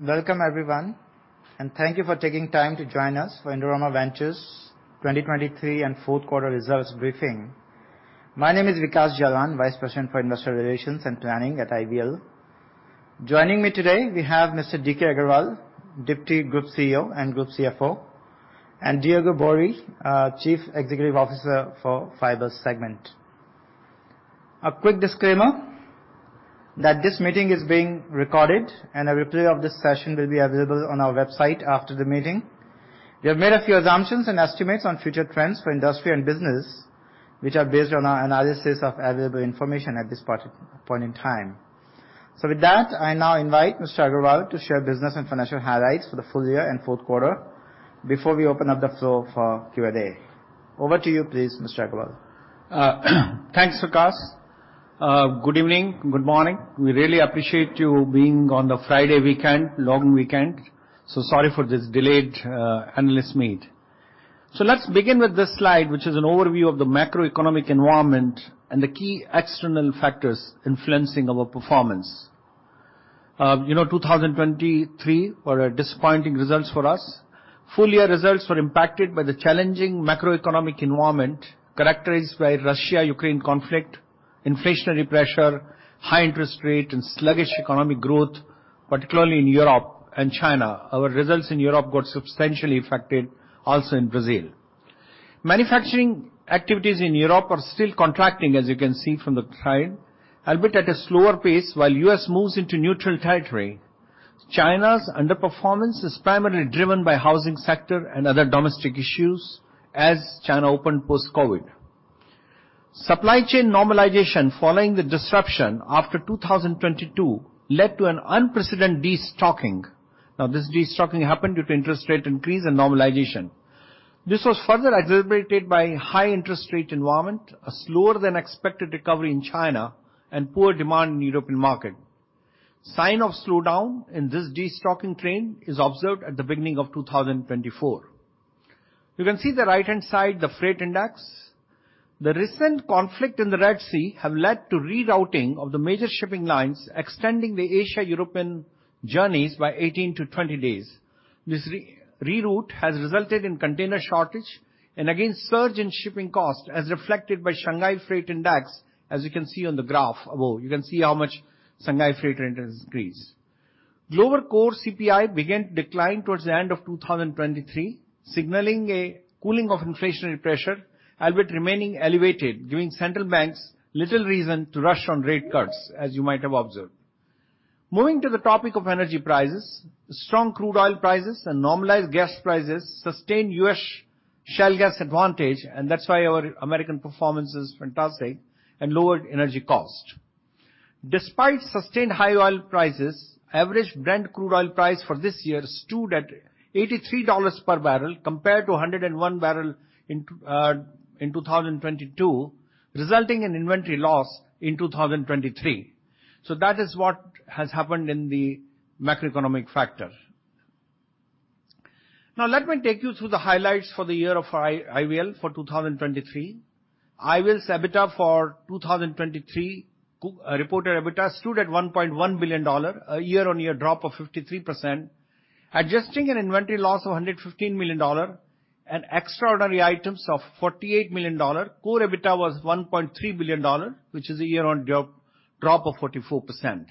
Welcome everyone, and thank you for taking time to join us for Indorama Ventures 2023 and 4th quarter results briefing. My name is Vikash Jalan, Vice President for Investor Relations and Planning at IVL. Joining me today, we have Mr. DK Agarwal, Deputy Group CEO and Group CFO, and Diego Boeri, Chief Executive Officer for Fiber Segment. A quick disclaimer that this meeting is being recorded, and a replay of this session will be available on our website after the meeting. We have made a few assumptions and estimates on future trends for industry and business, which are based on our analysis of available information at this part of the point in time. So with that, I now invite Mr. Agarwal to share business and financial highlights for the full year and 4th quarter before we open up the floor for Q&A. Over to you, please, Mr. Agarwal. Thanks, Vikash. Good evening, good morning. We really appreciate you being on the Friday weekend, long weekend, so sorry for this delayed, analyst meet. So let's begin with this slide, which is an overview of the macroeconomic environment and the key external factors influencing our performance. You know, 2023 were disappointing results for us. Full year results were impacted by the challenging macroeconomic environment characterized by Russia-Ukraine conflict, inflationary pressure, high interest rate, and sluggish economic growth, particularly in Europe and China. Our results in Europe got substantially affected, also in Brazil. Manufacturing activities in Europe are still contracting, as you can see from the slide, a bit at a slower pace while the US moves into neutral territory. China's underperformance is primarily driven by the housing sector and other domestic issues as China opened post-COVID. Supply chain normalization following the disruption after 2022 led to an unprecedented destocking. Now, this destocking happened due to interest rate increase and normalization. This was further exacerbated by high interest rate environment, a slower-than-expected recovery in China, and poor demand in the European market. A sign of a slowdown in this destocking trend is observed at the beginning of 2024. You can see on the right-hand side the freight index. The recent conflict in the Red Sea has led to rerouting of the major shipping lines extending the Asia-European journeys by 18-20 days. This reroute has resulted in a container shortage and, again, a surge in shipping costs as reflected by the Shanghai Freight Index, as you can see on the graph above. You can see how much the Shanghai Freight Index increased. Global core CPI began to decline towards the end of 2023, signaling a cooling of inflationary pressure, albeit remaining elevated, giving central banks little reason to rush on rate cuts, as you might have observed. Moving to the topic of energy prices, strong crude oil prices and normalized gas prices sustained the U.S. shale gas advantage, and that's why our American performance is fantastic and lowered energy costs. Despite sustained high oil prices, the average Brent crude oil price for this year stood at $83 per barrel compared to $101 per barrel in 2022, resulting in inventory loss in 2023. So that is what has happened in the macroeconomic factor. Now, let me take you through the highlights for the year of IVL for 2023. IVL's EBITDA for 2023, reported EBITDA, stood at $1.1 billion, a year-on-year drop of 53%, adjusting an inventory loss of $115 million, and extraordinary items of $48 million. Core EBITDA was $1.3 billion, which is a year-on-year drop of 44%.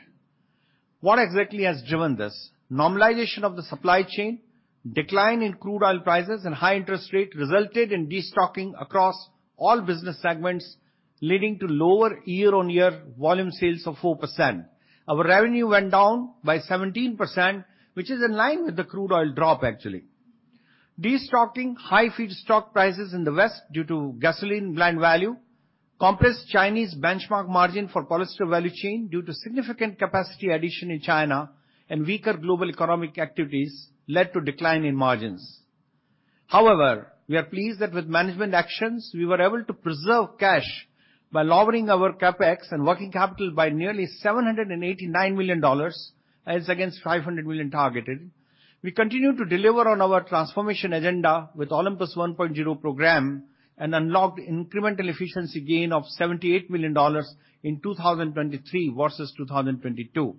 What exactly has driven this? Normalization of the supply chain, a decline in crude oil prices, and high interest rates resulted in destocking across all business segments, leading to lower year-on-year volume sales of 4%. Our revenue went down by 17%, which is in line with the crude oil drop, actually. Destocking, high feedstock prices in the West due to gasoline blend value, a compressed Chinese benchmark margin for polyester value chain due to significant capacity addition in China, and weaker global economic activities led to a decline in margins. However, we are pleased that with management actions, we were able to preserve cash by lowering our CapEx and working capital by nearly $789 million, as against the $500 million targeted. We continue to deliver on our transformation agenda with the Olympus 1.0 program and unlocked an incremental efficiency gain of $78 million in 2023 versus 2022.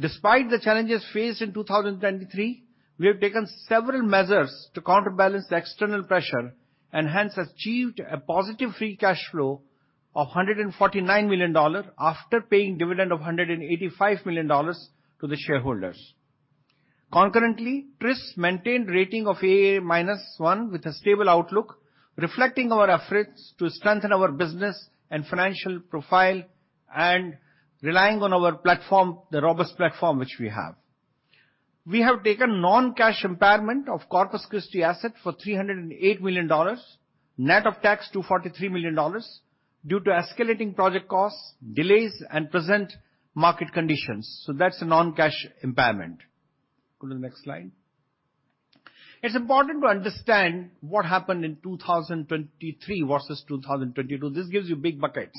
Despite the challenges faced in 2023, we have taken several measures to counterbalance the external pressure and, hence, achieved a positive free cash flow of $149 million after paying a dividend of $185 million to the shareholders. Concurrently, TRIS maintained a rating of AA- with a stable outlook, reflecting our efforts to strengthen our business and financial profile and relying on our platform, the robust platform which we have. We have taken non-cash impairment of the Corpus Christi assets for $308 million, net of tax $243 million, due to escalating project costs, delays, and present market conditions. That's a non-cash impairment. Go to the next slide. It's important to understand what happened in 2023 versus 2022. This gives you big buckets.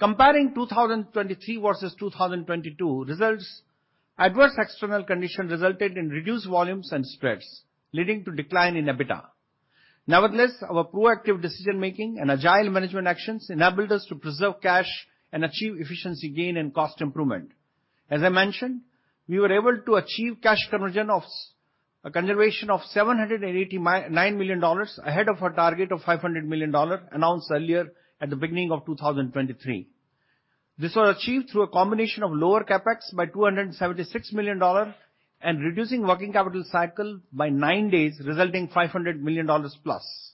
Comparing 2023 versus 2022 results, adverse external conditions resulted in reduced volumes and spreads, leading to a decline in EBITDA. Nevertheless, our proactive decision-making and agile management actions enabled us to preserve cash and achieve efficiency gain and cost improvement. As I mentioned, we were able to achieve cash conversion and conservation of $789 million ahead of our target of $500 million announced earlier at the beginning of 2023. This was achieved through a combination of lower CapEx by $276 million and reducing the working capital cycle by 9 days, resulting in $500 million plus.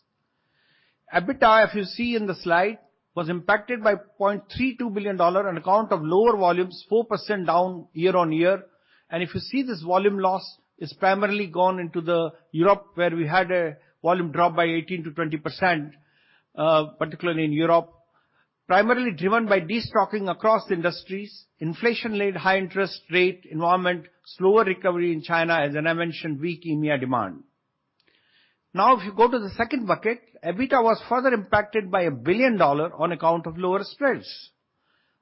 EBITDA, as you see on the slide, was impacted by $0.32 billion on account of lower volumes, 4% down year-on-year. If you see this volume loss, it's primarily gone into Europe, where we had a volume drop by 18%-20%, particularly in Europe, primarily driven by destocking across industries, inflation-led high interest rate environment, slower recovery in China, as I mentioned, and weak EMEA demand. Now, if you go to the second bucket, EBITDA was further impacted by $1 billion on account of lower spreads.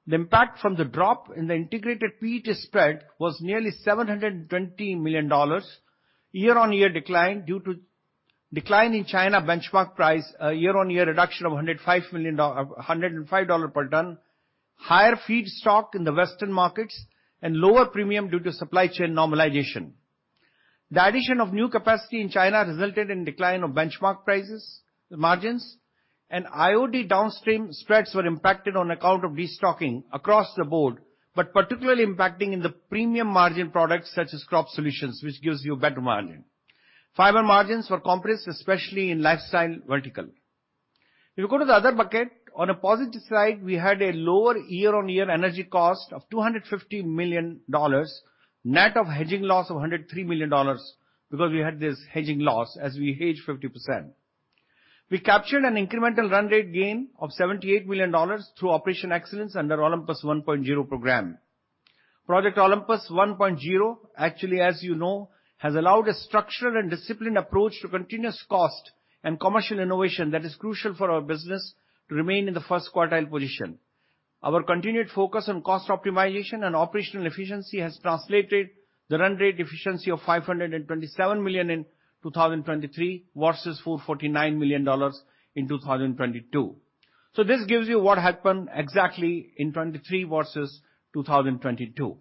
The impact from the drop in the integrated PET spread was nearly $720 million, a year-on-year decline due to a decline in China benchmark price, a year-on-year reduction of $105 million per ton, higher feedstock in the Western markets, and lower premiums due to supply chain normalization. The addition of new capacity in China resulted in a decline in benchmark prices, margins, and IOD downstream spreads were impacted on account of destocking across the board, but particularly impacting the premium margin products such as crop solutions, which give you a better margin. Fiber margins were compressed, especially in the lifestyle vertical. If you go to the other bucket, on the positive side, we had a lower year-on-year energy cost of $250 million, net of a hedging loss of $103 million because we had this hedging loss as we hedged 50%. We captured an incremental run rate gain of $78 million through operational excellence under the Olympus 1.0 program. Project Olympus 1.0, actually, as you know, has allowed a structural and disciplined approach to continuous cost and commercial innovation that is crucial for our business to remain in the first quartile position. Our continued focus on cost optimization and operational efficiency has translated the run rate efficiency of $527 million in 2023 versus $449 million in 2022. So this gives you what happened exactly in 2023 versus 2022.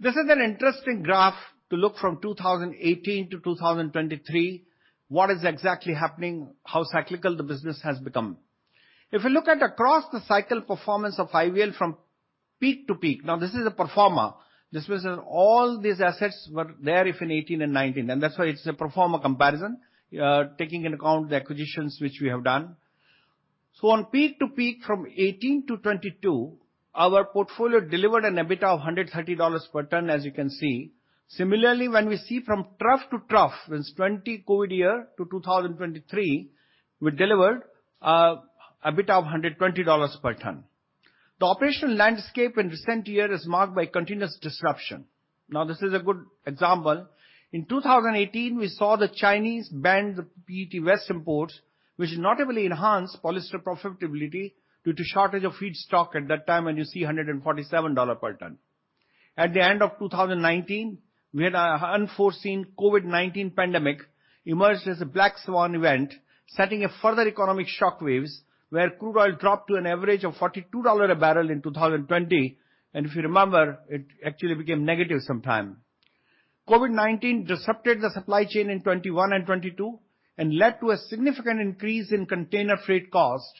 This is an interesting graph to look at from 2018 to 2023, what is exactly happening, how cyclical the business has become. If you look at across the cycle performance of IVL from peak to peak now, this is a performer. This means that all these assets were there if in 2018 and 2019, and that's why it's a performer comparison, taking into account the acquisitions which we have done. So on peak to peak from 2018 to 2022, our portfolio delivered an EBITDA of $130 per ton, as you can see. Similarly, when we see from trough to trough, since the 2020 COVID year to 2023, we delivered EBITDA of $120 per ton. The operational landscape in the recent years is marked by continuous disruption. Now, this is a good example. In 2018, we saw the China ban the PET waste imports, which notably enhanced polyester profitability due to a shortage of feedstock at that time, and you see $147 per ton. At the end of 2019, we had an unforeseen COVID-19 pandemic that emerged as a black swan event, setting further economic shockwaves where crude oil dropped to an average of $42 a barrel in 2020, and if you remember, it actually became negative sometime. COVID-19 disrupted the supply chain in 2021 and 2022 and led to a significant increase in container freight costs.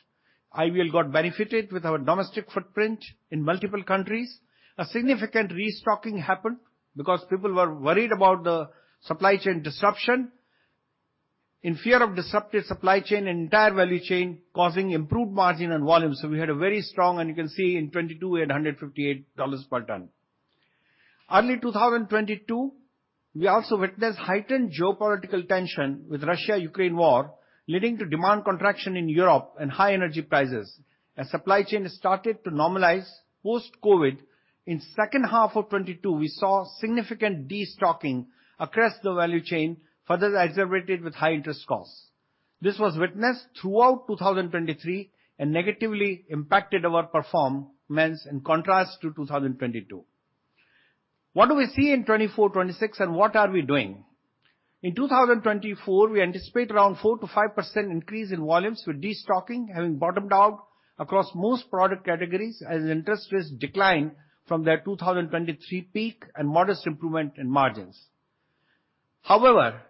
IVL got benefited with our domestic footprint in multiple countries. A significant restocking happened because people were worried about the supply chain disruption in fear of disrupting the supply chain and the entire value chain, causing improved margins and volumes. So we had a very strong, and you can see in 2022, we had $158 per ton. In early 2022, we also witnessed heightened geopolitical tension with the Russia-Ukraine war, leading to demand contraction in Europe and high energy prices. As the supply chain started to normalize post-COVID, in the second half of 2022, we saw significant destocking across the value chain, further exacerbated by high interest costs. This was witnessed throughout 2023 and negatively impacted our performance in contrast to 2022. What do we see in 2024, 2026, and what are we doing? In 2024, we anticipate around a 4%-5% increase in volumes with destocking, having bottomed out across most product categories as interest rates declined from their 2023 peak and modest improvement in margins. However,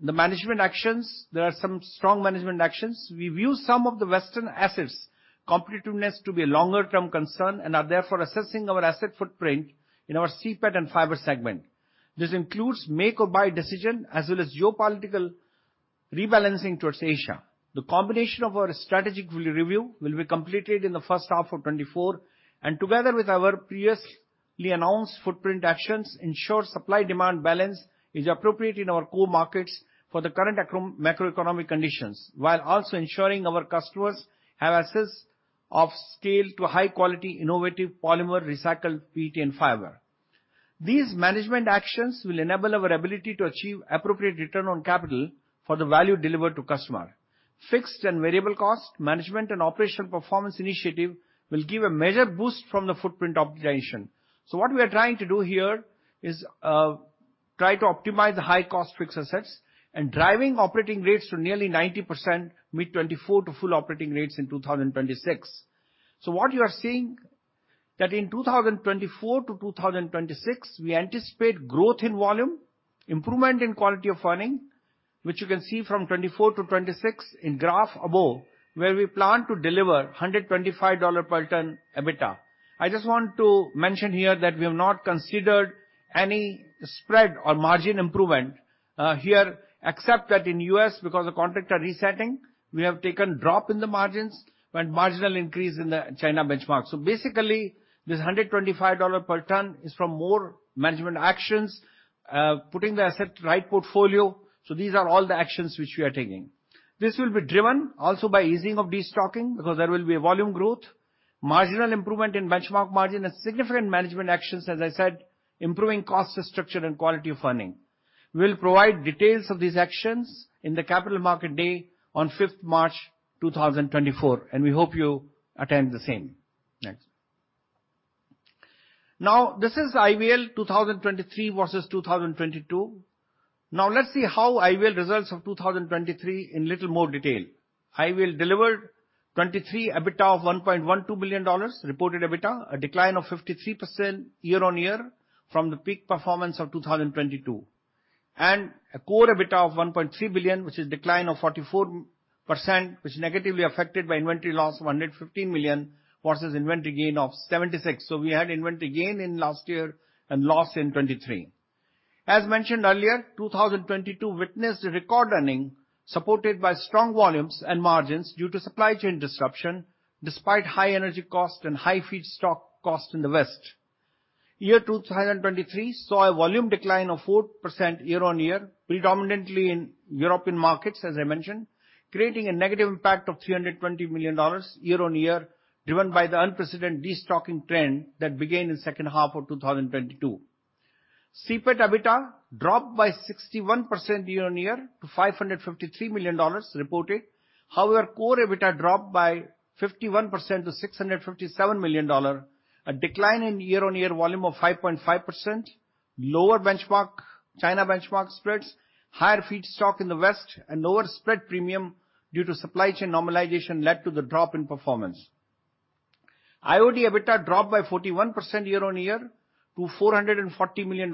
the management actions there are some strong management actions. We view some of the Western assets' competitiveness to be a longer-term concern and are therefore assessing our asset footprint in our CPET and fiber segments. This includes the make-or-buy decision as well as geopolitical rebalancing towards Asia. The combination of our strategic value review will be completed in the first half of 2024, and together with our previously announced footprint actions, ensuring supply-demand balance is appropriate in our core markets for the current macroeconomic conditions while also ensuring our customers have assets of scale to high-quality, innovative polymer, recycled PET, and fiber. These management actions will enable our ability to achieve an appropriate return on capital for the value delivered to customers. Fixed and variable cost management and operational performance initiatives will give a major boost from the footprint optimization. So what we are trying to do here is, try to optimize the high-cost fixed assets and drive operating rates to nearly 90% mid-2024 to full operating rates in 2026. So what you are seeing is that in 2024 to 2026, we anticipate growth in volume, improvement in the quality of earnings, which you can see from 2024 to 2026 in the graph above, where we plan to deliver $125 per ton EBITDA. I just want to mention here that we have not considered any spread or margin improvement here except that in the U.S., because of the contractor resetting, we have taken a drop in the margins and a marginal increase in the China benchmark. So basically, this $125 per ton is from more management actions, putting the assets in the right portfolio. So these are all the actions which we are taking. This will be driven also by the easing of destocking because there will be volume growth, marginal improvement in benchmark margins, and significant management actions, as I said, improving cost structure and quality of earnings. We will provide details of these actions on the Capital Markets Day on 5th March, 2024, and we hope you attend the same. Next. Now, this is IVL 2023 versus 2022. Now, let's see how IVL results in 2023 in a little more detail. IVL delivered FY23 EBITDA of $1.12 billion reported EBITDA, a decline of 53% year-on-year from the peak performance of 2022, and a core EBITDA of $1.3 billion, which is a decline of 44%, which is negatively affected by inventory loss of $115 million versus inventory gain of $76 million. So we had inventory gain in last year and loss in 2023. As mentioned earlier, 2022 witnessed a record earning supported by strong volumes and margins due to supply chain disruption despite high energy costs and high feedstock costs in the West. The year 2023 saw a volume decline of 4% year-on-year, predominantly in European markets, as I mentioned, creating a negative impact of $320 million year-on-year driven by the unprecedented destocking trend that began in the second half of 2022. CPET EBITDA dropped by 61% year-on-year to $553 million, reported. However, core EBITDA dropped by 51% to $657 million, a decline in year-on-year volume of 5.5%, lower China benchmark spreads, higher feedstock in the West, and lower spread premiums due to supply chain normalization led to the drop in performance. IOD EBITDA dropped by 41% year-on-year to $440 million.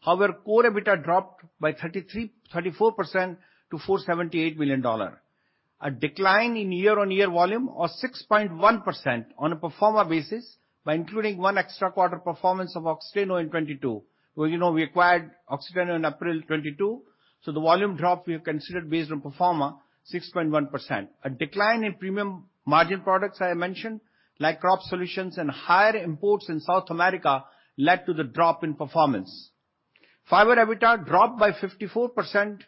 However, core EBITDA dropped by 34% to $478 million, a decline in year-on-year volume of 6.1% on a pro forma basis by including one extra-quarter performance of Oxiteno in 2022. You know, we acquired Oxiteno in April 2022, so the volume drop we have considered based on pro forma was 6.1%. A decline in premium margin products, as I mentioned, like Crop Solutions and higher imports in South America, led to the drop in performance. Fiber EBITDA dropped by 54%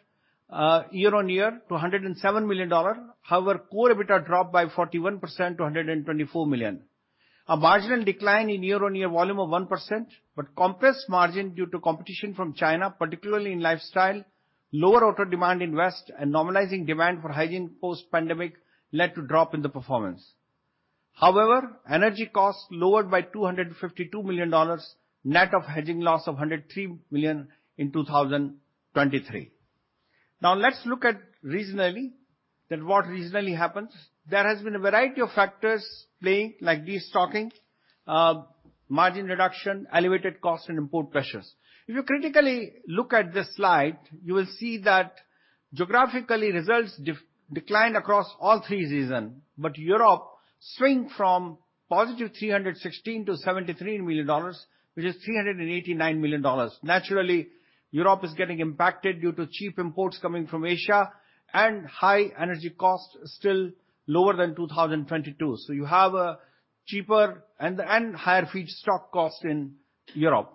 year-on-year to $107 million. However, core EBITDA dropped by 41% to $124 million. A marginal decline in year-on-year volume of 1%, but a compressed margin due to competition from China, particularly in lifestyle, lower order demand in the West, and normalizing demand for hygiene post-pandemic led to a drop in the performance. However, energy costs lowered by $252 million, net of a hedging loss of $103 million in 2023. Now, let's look at what reasonably happens. There have been a variety of factors playing, like destocking, margin reduction, elevated costs, and import pressures. If you critically look at this slide, you will see that geographically, results declined across all three seasons, but Europe swung from positive $316 million to $73 million, which is $389 million. Naturally, Europe is getting impacted due to cheap imports coming from Asia and high energy costs still lower than 2022. So you have cheaper and higher feedstock costs in Europe.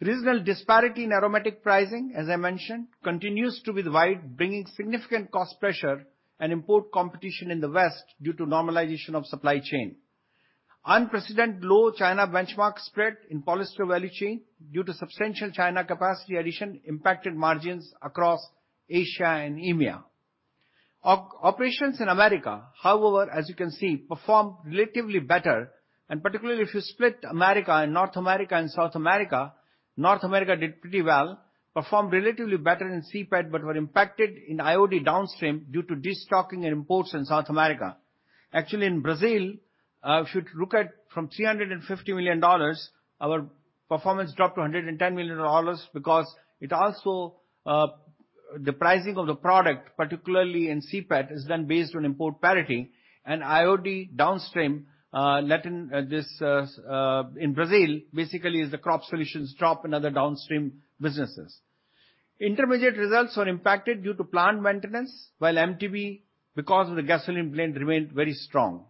Regional disparity in aromatics pricing, as I mentioned, continues to be wide, bringing significant cost pressure and import competition in the West due to normalization of the supply chain. Unprecedented low China benchmark spread in polyester value chain due to substantial China capacity addition impacted margins across Asia and EMEA. Operations in America, however, as you can see, performed relatively better, and particularly if you split North America and South America, North America did pretty well, performed relatively better in CPET but were impacted in IOD downstream due to destocking and imports in South America. Actually, in Brazil, if you look at from $350 million, our performance dropped to $110 million because it also, the pricing of the product, particularly in CPET, is then based on import parity, and IOD downstream, letting this, in Brazil basically is the crop solutions drop in other downstream businesses. Intermediate results were impacted due to plant maintenance, while MTBE, because of the gasoline blend, remained very strong.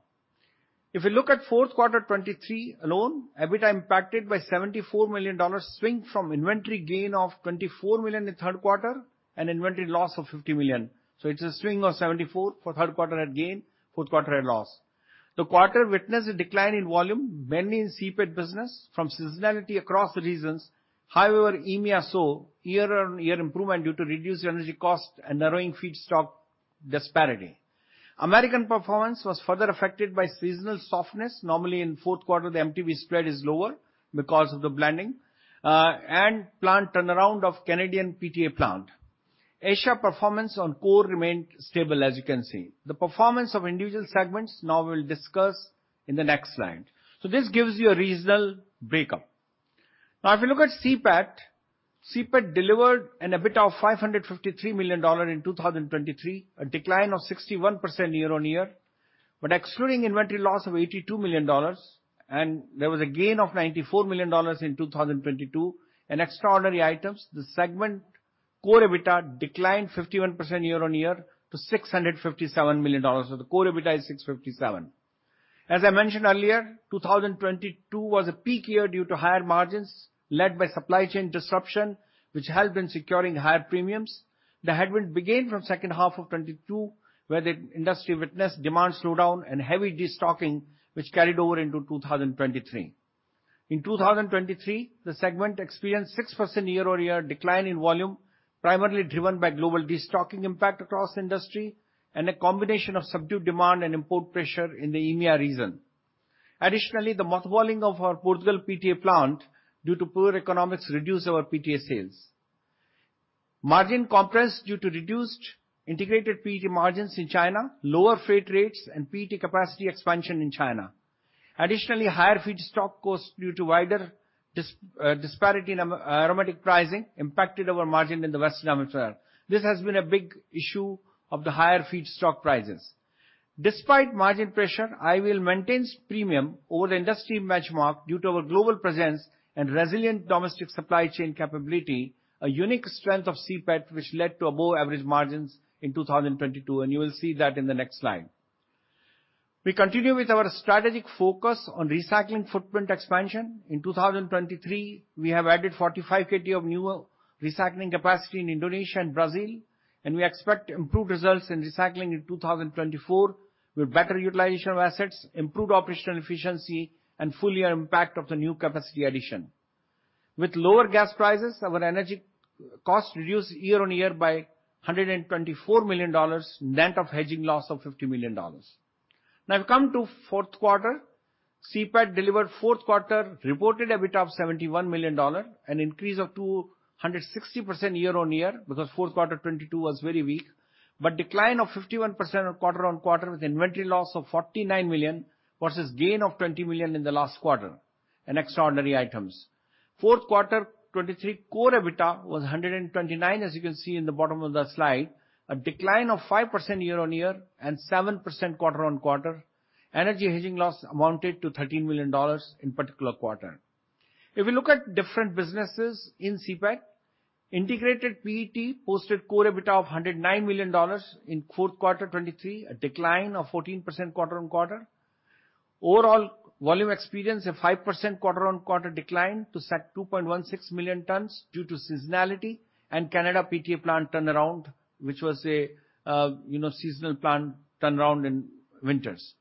If you look at Q4 2023 alone, EBITDA impacted by $74 million, swinging from an inventory gain of $24 million in the Q3 and an inventory loss of $50 million. So it's a swing of $74 million for the Q3 at gain and the Q4 at loss. The quarter witnessed a decline in volume, mainly in CPET business, from seasonality across the regions. However, EMEA saw year-on-year improvement due to reduced energy costs and narrowing feedstock disparity. American performance was further affected by seasonal softness. Normally, in the Q4, the MTBE spread is lower because of the blending, and plant turnaround of the Canadian PTA plant. Asia's performance on core remained stable, as you can see. The performance of individual segments, now we will discuss in the next slide. So this gives you a reasonable breakup. Now, if you look at CPET, CPET delivered an EBITDA of $553 million in 2023, a decline of 61% year-on-year, but excluding inventory loss of $82 million, and there was a gain of $94 million in 2022 in extraordinary items, the segment core EBITDA declined 51% year-on-year to $657 million. So the core EBITDA is $657. As I mentioned earlier, 2022 was a peak year due to higher margins led by supply chain disruption, which helped in securing higher premiums. The headwind began from the second half of 2022, where the industry witnessed demand slowdown and heavy destocking, which carried over into 2023. In 2023, the segment experienced a 6% year-on-year decline in volume, primarily driven by global destocking impact across the industry and a combination of subdued demand and import pressure in the EMEA region. Additionally, the mothballing of our Portugal PTA plant due to poor economics reduced our PTA sales. Margin compression due to reduced integrated PET margins in China, lower freight rates, and PET capacity expansion in China. Additionally, higher feedstock costs due to wider disparity in aromatic pricing impacted our margin in the Western Hemisphere. This has been a big issue of the higher feedstock prices. Despite margin pressure, IVL maintained premiums over the industry benchmark due to our global presence and resilient domestic supply chain capability, a unique strength of CPET, which led to above-average margins in 2022, and you will see that in the next slide. We continue with our strategic focus on recycling footprint expansion. In 2023, we have added 45 kt of new recycling capacity in Indonesia and Brazil, and we expect improved results in recycling in 2024 with better utilization of assets, improved operational efficiency, and a full-year impact of the new capacity addition. With lower gas prices, our energy costs reduced year-over-year by $124 million, net of a hedging loss of $50 million. Now, I've come to the Q4. CPET delivered in the Q4 a reported EBITDA of $71 million, an increase of 260% year-over-year because Q4 2022 was very weak, but a decline of 51% quarter-over-quarter with an inventory loss of $49 million versus a gain of $20 million in the last quarter in extraordinary items. Q4 2023 core EBITDA was $129, as you can see in the bottom of the slide, a decline of 5% year-on-year and 7% quarter-on-quarter. Energy hedging loss amounted to $13 million in a particular quarter. If we look at different businesses in CPET, integrated PET posted a core EBITDA of $109 million in Q4 2023, a decline of 14% quarter-on-quarter. Overall volume experienced a 5% quarter-on-quarter decline to set 2.16 million tons due to seasonality and Canada PTA plant turnaround, which was a, you know, seasonal plant turnaround in winters.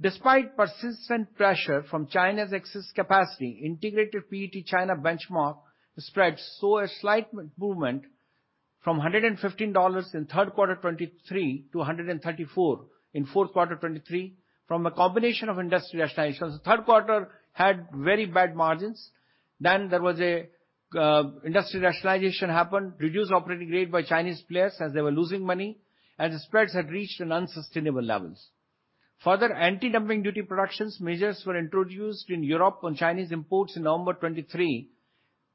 Despite persistent pressure from China's excess capacity, integrated PET China benchmark spread saw a slight movement from $115 in Q3 2023 to $134 in Q4 2023 from a combination of industry rationalization. So Q3 had very bad margins. Then there was an industry rationalization that happened, reduced operating rates by Chinese players as they were losing money, and the spreads had reached unsustainable levels. Further anti-dumping duties and production measures were introduced in Europe on Chinese imports in November 2023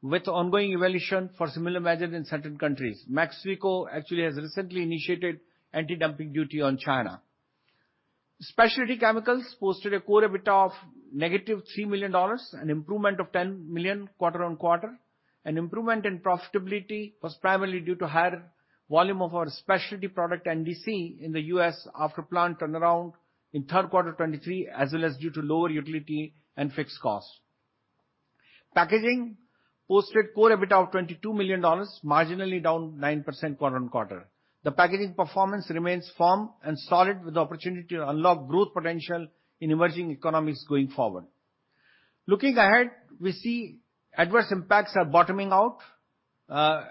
with ongoing evaluation for similar measures in certain countries. Mexico actually has recently initiated anti-dumping duties on China. Specialty chemicals posted a Core EBITDA of -$3 million, an improvement of $10 million quarter-over-quarter, and improvement in profitability was primarily due to higher volume of our specialty product NDC in the U.S. after plant turnaround in Q3 2023 as well as due to lower utility and fixed costs. Packaging posted a Core EBITDA of $22 million, marginally down 9% quarter-over-quarter. The packaging performance remains firm and solid with the opportunity to unlock growth potential in emerging economies going forward. Looking ahead, we see adverse impacts are bottoming out,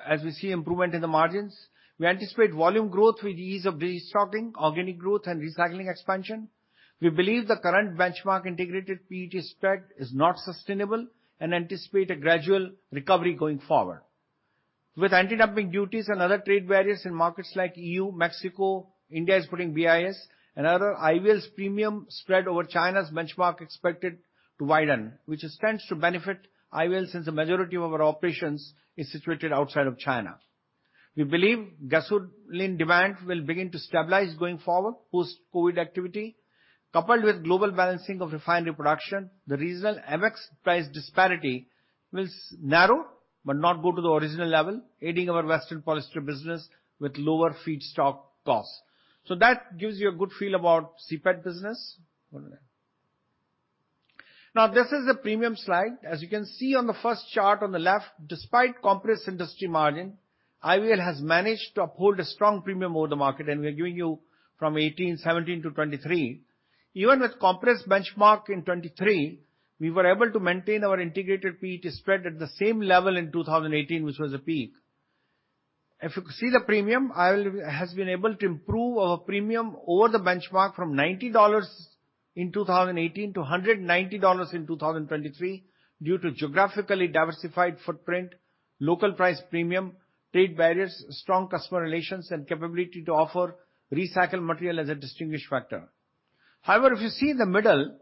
as we see improvement in the margins. We anticipate volume growth with the ease of destocking, organic growth, and recycling expansion. We believe the current benchmark integrated PET spread is not sustainable and anticipate a gradual recovery going forward. With anti-dumping duties and other trade barriers in markets like the EU, Mexico, India imposing BIS, and other, IVL premium spread over China's benchmark is expected to widen, which tends to benefit IVL since the majority of our operations are situated outside of China. We believe gasoline demand will begin to stabilize going forward post-COVID activity, coupled with global balancing of refinery production. The regional average price disparity will narrow but not go to the original level, aiding our Western polyester business with lower feedstock costs. So that gives you a good feel about CPET business. Now, this is a premium slide. As you can see on the first chart on the left, despite a compressed industry margin, IVL has managed to uphold a strong premium over the market, and we are giving you from 2018, 2017, to 2023. Even with a compressed benchmark in 2023, we were able to maintain our integrated PET spread at the same level in 2018, which was a peak. If you can see the premium, IVL has been able to improve our premium over the benchmark from $90 in 2018 to $190 in 2023 due to geographically diversified footprint, local price premium, trade barriers, strong customer relations, and the capability to offer recycled material as a distinguished factor. However, if you see in the middle,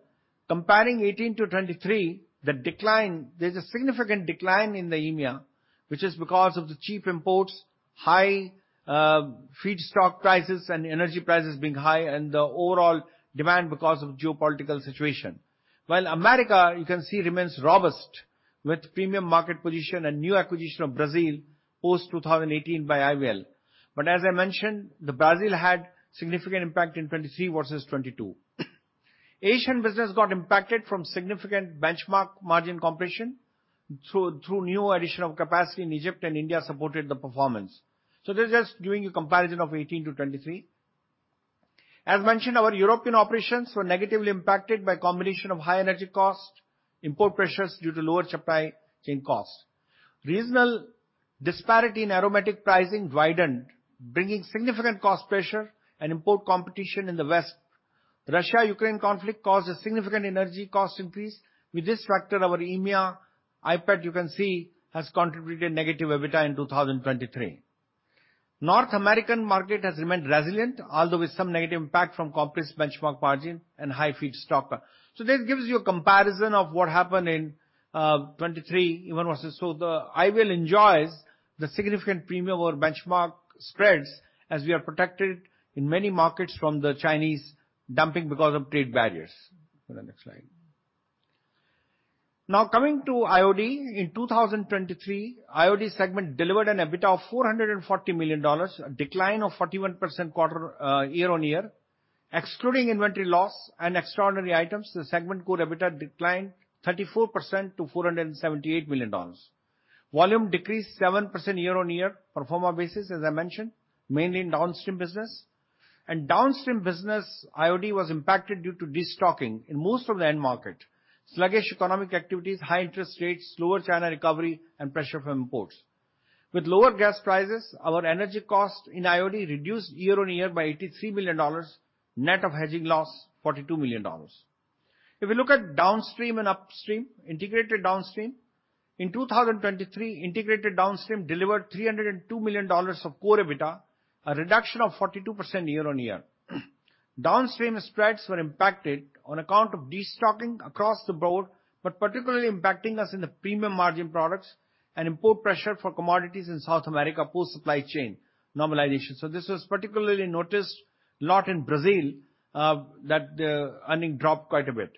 comparing 2018 to 2023, there is a significant decline in the EMEA, which is because of the cheap imports, high feedstock prices, and energy prices being high, and the overall demand because of the geopolitical situation. While America, you can see, remains robust with a premium market position and new acquisition of Brazil post-2018 by IVL. But as I mentioned, Brazil had a significant impact in 2023 versus 2022. Asian business got impacted from significant benchmark margin compression through new addition of capacity in Egypt, and India supported the performance. So this is just giving you a comparison of 2018 to 2023. As mentioned, our European operations were negatively impacted by a combination of high energy costs and import pressures due to lower supply chain costs. Regional disparity in aromatic pricing widened, bringing significant cost pressure and import competition in the West. The Russia-Ukraine conflict caused a significant energy cost increase. With this factor, our EMEA IPET, you can see, has contributed negative EBITDA in 2023. The North American market has remained resilient, although with some negative impact from a compressed benchmark margin and high feedstock costs. So this gives you a comparison of what happened in 2023, even versus. So IVL enjoys the significant premium over benchmark spreads as we are protected in many markets from the Chinese dumping because of trade barriers. Go to the next slide. Now, coming to IOD, in 2023, the IOD segment delivered an EBITDA of $440 million, a decline of 41% quarter year-on-year. Excluding inventory loss and extraordinary items, the segment core EBITDA declined 34% to $478 million. Volume decreased 7% year-on-year on a performer basis, as I mentioned, mainly in downstream business. Downstream business IOD was impacted due to destocking in most of the end market, sluggish economic activities, high interest rates, slower China recovery, and pressure from imports. With lower gas prices, our energy costs in IOD reduced year-over-year by $83 million, net of hedging loss of $42 million. If we look at downstream and upstream, integrated downstream, in 2023, integrated downstream delivered $302 million of core EBITDA, a reduction of 42% year-over-year. Downstream spreads were impacted on account of destocking across the board but particularly impacting us in the premium margin products and import pressure for commodities in South America post-supply chain normalization. So this was particularly noticed a lot in Brazil, that the earnings dropped quite a bit.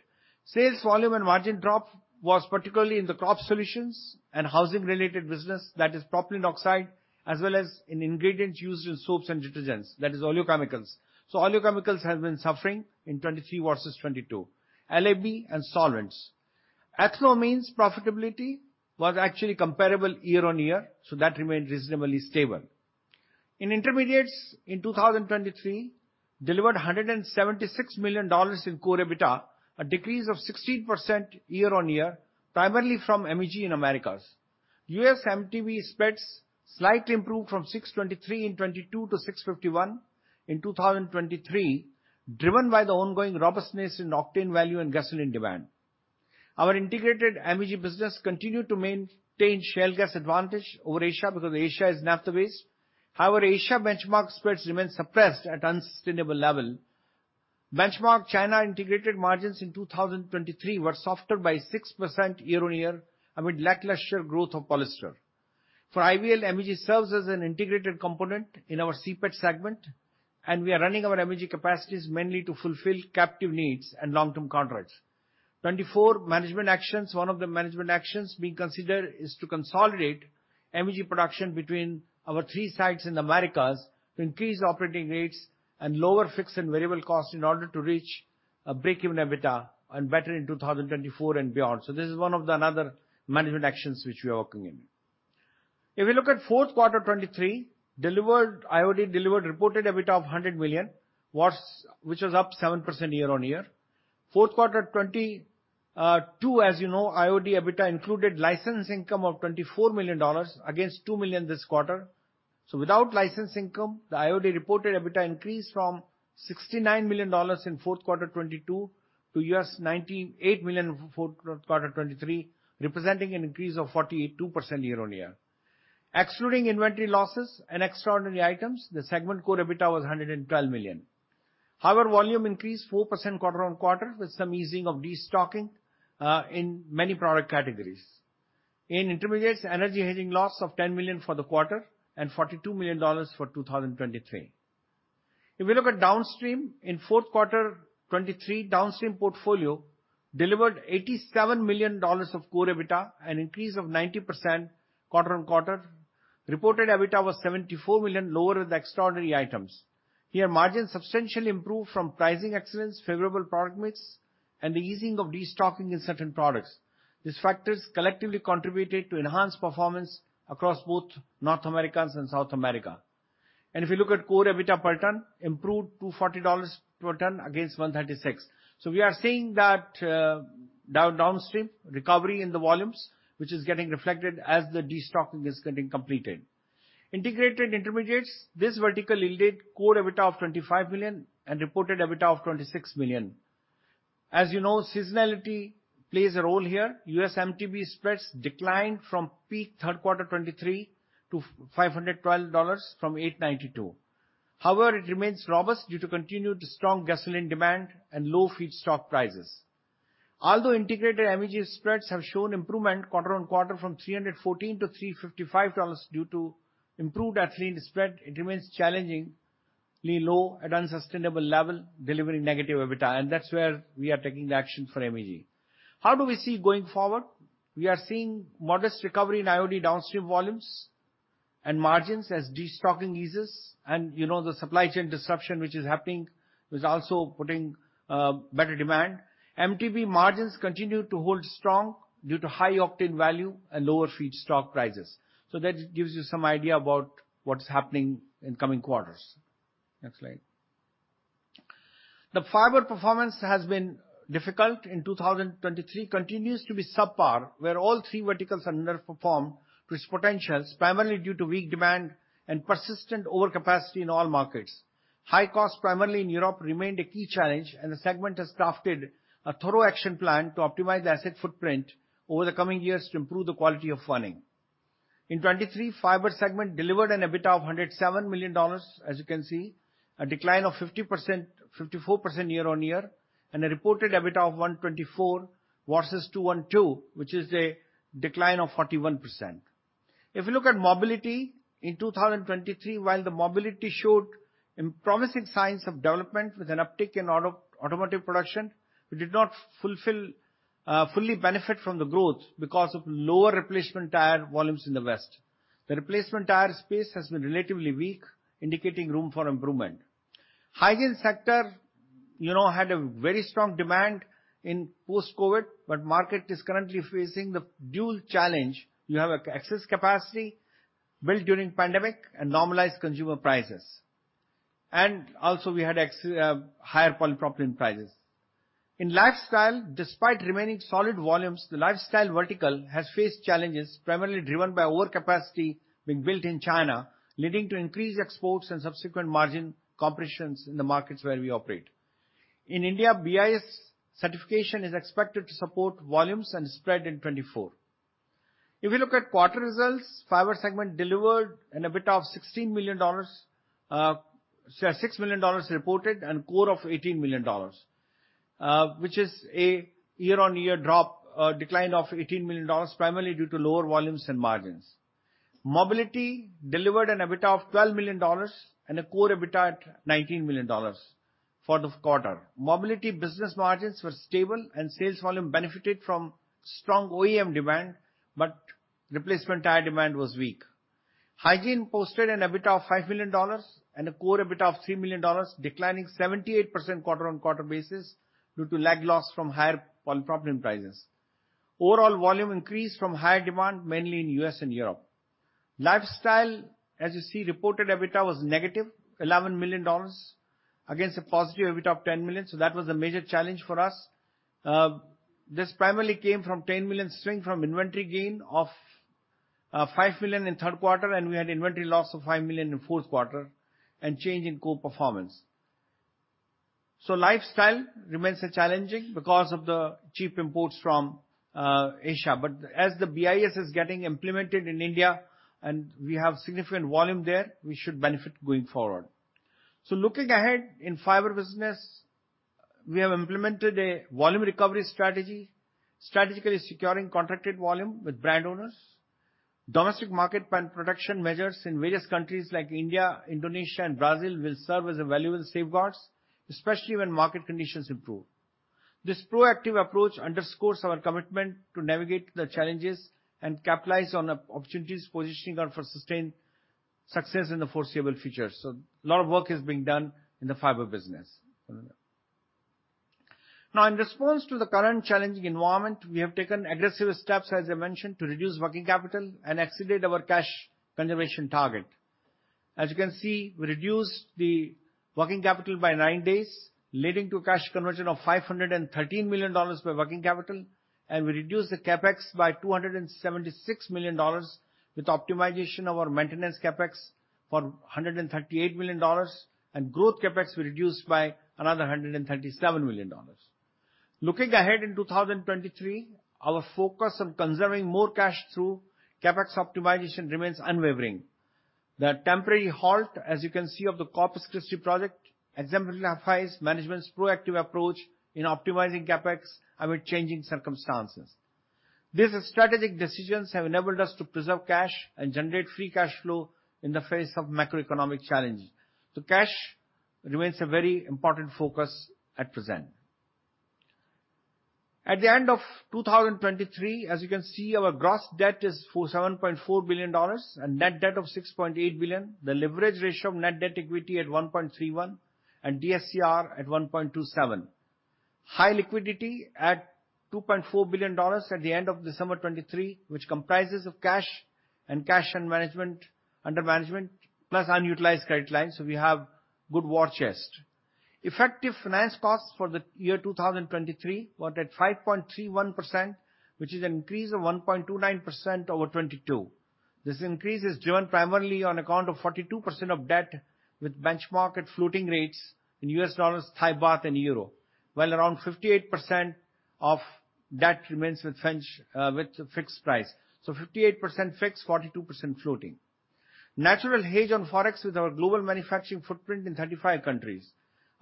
Sales volume and margin drop was particularly in the Crop Solutions and housing-related business, that is, propylene oxide, as well as in ingredients used in soaps and detergents, that is, oxide chemicals. So oxide chemicals have been suffering in 2023 versus 2022. LAB and solvents. Ethanolamines' profitability was actually comparable year-on-year, so that remained reasonably stable. Intermediates in 2023 delivered $176 million in core EBITDA, a decrease of 16% year-on-year, primarily from MEG in America. U.S. MTBE spreads slightly improved from $623 in 2022 to $651 in 2023, driven by the ongoing robustness in Oxiteno value and gasoline demand. Our integrated MEG business continued to maintain shale gas advantage over Asia because Asia is naphtha-based. However, Asia benchmark spreads remain suppressed at an unsustainable level. Benchmark China integrated margins in 2023 were softer by 6% year-on-year amid lackluster growth of polyester. For IVL, MEG serves as an integrated component in our CPET segment, and we are running our MEG capacities mainly to fulfill captive needs and long-term contracts. Management actions, one of the management actions being considered, is to consolidate MEG production between our three sites in the Americas to increase operating rates and lower fixed and variable costs in order to reach a break-even EBITDA and better in 2024 and beyond. So this is one of the other management actions which we are working on. If we look at Q4 2023, IOD delivered reported EBITDA of $100 million, which was up 7% year-on-year. Q4 2022, as you know, IOD EBITDA included license income of $24 million against $2 million this quarter. So without license income, the IOD reported EBITDA increased from $69 million in Q4 2022 to $98 million in Q4 2023, representing an increase of 42% year-on-year. Excluding inventory losses and extraordinary items, the segment core EBITDA was $112 million. However, volume increased 4% quarter-on-quarter with some easing of destocking in many product categories. In intermediates, energy hedging loss of $10 million for the quarter and $42 million for 2023. If we look at downstream, in Q4 2023, downstream portfolio delivered $87 million of core EBITDA, an increase of 90% quarter-on-quarter. Reported EBITDA was $74 million, lower with the extraordinary items. Here, margins substantially improved from pricing excellence, favorable product mix, and the easing of destocking in certain products. These factors collectively contributed to enhanced performance across both North America and South America. If we look at core EBITDA per ton, improved to $40 per ton against $136. So we are seeing that, downstream recovery in the volumes, which is getting reflected as the destocking is getting completed. Integrated intermediates, this vertical yielded core EBITDA of $25 million and reported EBITDA of $26 million. As you know, seasonality plays a role here. U.S. MTBE spreads declined from peak Q3 2023 to $512 from $892. However, it remains robust due to continued strong gasoline demand and low feedstock prices. Although integrated MEG spreads have shown improvement quarter-over-quarter from $314-$355 due to improved ethylene spread, it remains challengingly low at an unsustainable level, delivering negative EBITDA, and that's where we are taking action for MEG. How do we see going forward? We are seeing modest recovery in IOD downstream volumes and margins as destocking eases. And you know, the supply chain disruption which is happening is also putting better demand. MTBE margins continue to hold strong due to high Oxiteno value and lower feedstock prices. So that gives you some idea about what's happening in coming quarters. Next slide. The fiber performance has been difficult in 2023, continues to be subpar, where all three verticals are underperformed to its potentials, primarily due to weak demand and persistent overcapacity in all markets. High costs, primarily in Europe, remained a key challenge, and the segment has crafted a thorough action plan to optimize the asset footprint over the coming years to improve the quality of funding. In 2023, the fiber segment delivered an EBITDA of $107 million, as you can see, a decline of 54% year-over-year, and a reported EBITDA of $124 versus $212, which is a decline of 41%. If we look at mobility in 2023, while the mobility showed promising signs of development with an uptick in automotive production, it did not fully benefit from the growth because of lower replacement tire volumes in the West. The replacement tire space has been relatively weak, indicating room for improvement. The hygiene sector, you know, had a very strong demand in post-COVID, but the market is currently facing the dual challenge. You have excess capacity built during the pandemic and normalized consumer prices. And also, we had higher polypropylene prices. In lifestyle, despite remaining solid volumes, the lifestyle vertical has faced challenges, primarily driven by overcapacity being built in China, leading to increased exports and subsequent margin competitions in the markets where we operate. In India, BIS certification is expected to support volumes and spread in 2024. If we look at quarter results, the fiber segment delivered an EBITDA of $16 million, $6 million reported, and a core of $18 million, which is a year-on-year drop, a decline of $18 million, primarily due to lower volumes and margins. Mobility delivered an EBITDA of $12 million and a core EBITDA at $19 million for the quarter. Mobility business margins were stable, and sales volume benefited from strong OEM demand, but replacement tire demand was weak. Hygiene posted an EBITDA of $5 million and a core EBITDA of $3 million, declining 78% quarter-on-quarter basis due to lag loss from higher polypropylene prices. Overall volume increased from higher demand, mainly in the US and Europe. Lifestyle, as you see, reported EBITDA was negative, $11 million, against a positive EBITDA of $10 million, so that was a major challenge for us. This primarily came from a $10 million swing from inventory gain of $5 million in the Q3, and we had inventory loss of $5 million in the Q4 and change in core performance. So fibers remains challenging because of the cheap imports from Asia, but as the BIS is getting implemented in India and we have significant volume there, we should benefit going forward. So looking ahead in fiber business, we have implemented a volume recovery strategy, strategically securing contracted volume with brand owners. Domestic market protection measures in various countries like India, Indonesia, and Brazil will serve as valuable safeguards, especially when market conditions improve. This proactive approach underscores our commitment to navigate the challenges and capitalize on opportunities positioning ourselves for sustained success in the foreseeable future. So a lot of work is being done in the fiber business. Now, in response to the current challenging environment, we have taken aggressive steps, as I mentioned, to reduce working capital and exceed our cash conservation target. As you can see, we reduced the working capital by nine days, leading to a cash conversion of $513 million per working capital, and we reduced the Capex by $276 million with optimization of our maintenance Capex for $138 million, and growth Capex we reduced by another $137 million. Looking ahead in 2023, our focus on conserving more cash through Capex optimization remains unwavering. The temporary halt, as you can see, of the Corpus Christi project exemplifies management's proactive approach in optimizing Capex amid changing circumstances. These strategic decisions have enabled us to preserve cash and generate Free Cash Flow in the face of macroeconomic challenges. So cash remains a very important focus at present. At the end of 2023, as you can see, our gross debt is $7.4 billion and net debt of $6.8 billion, the leverage ratio of net debt equity at 1.31 and DSCR at 1.27. High liquidity at $2.4 billion at the end of December 2023, which comprises cash and cash under management plus unutilized credit lines, so we have good war chest. Effective finance costs for the year 2023 were at 5.31%, which is an increase of 1.29% over 2022. This increase is driven primarily on account of 42% of debt with benchmark at floating rates in U.S. dollars, Thai baht, and euro, while around 58% of debt remains with fixed price. So 58% fixed, 42% floating. Natural hedge on forex with our global manufacturing footprint in 35 countries.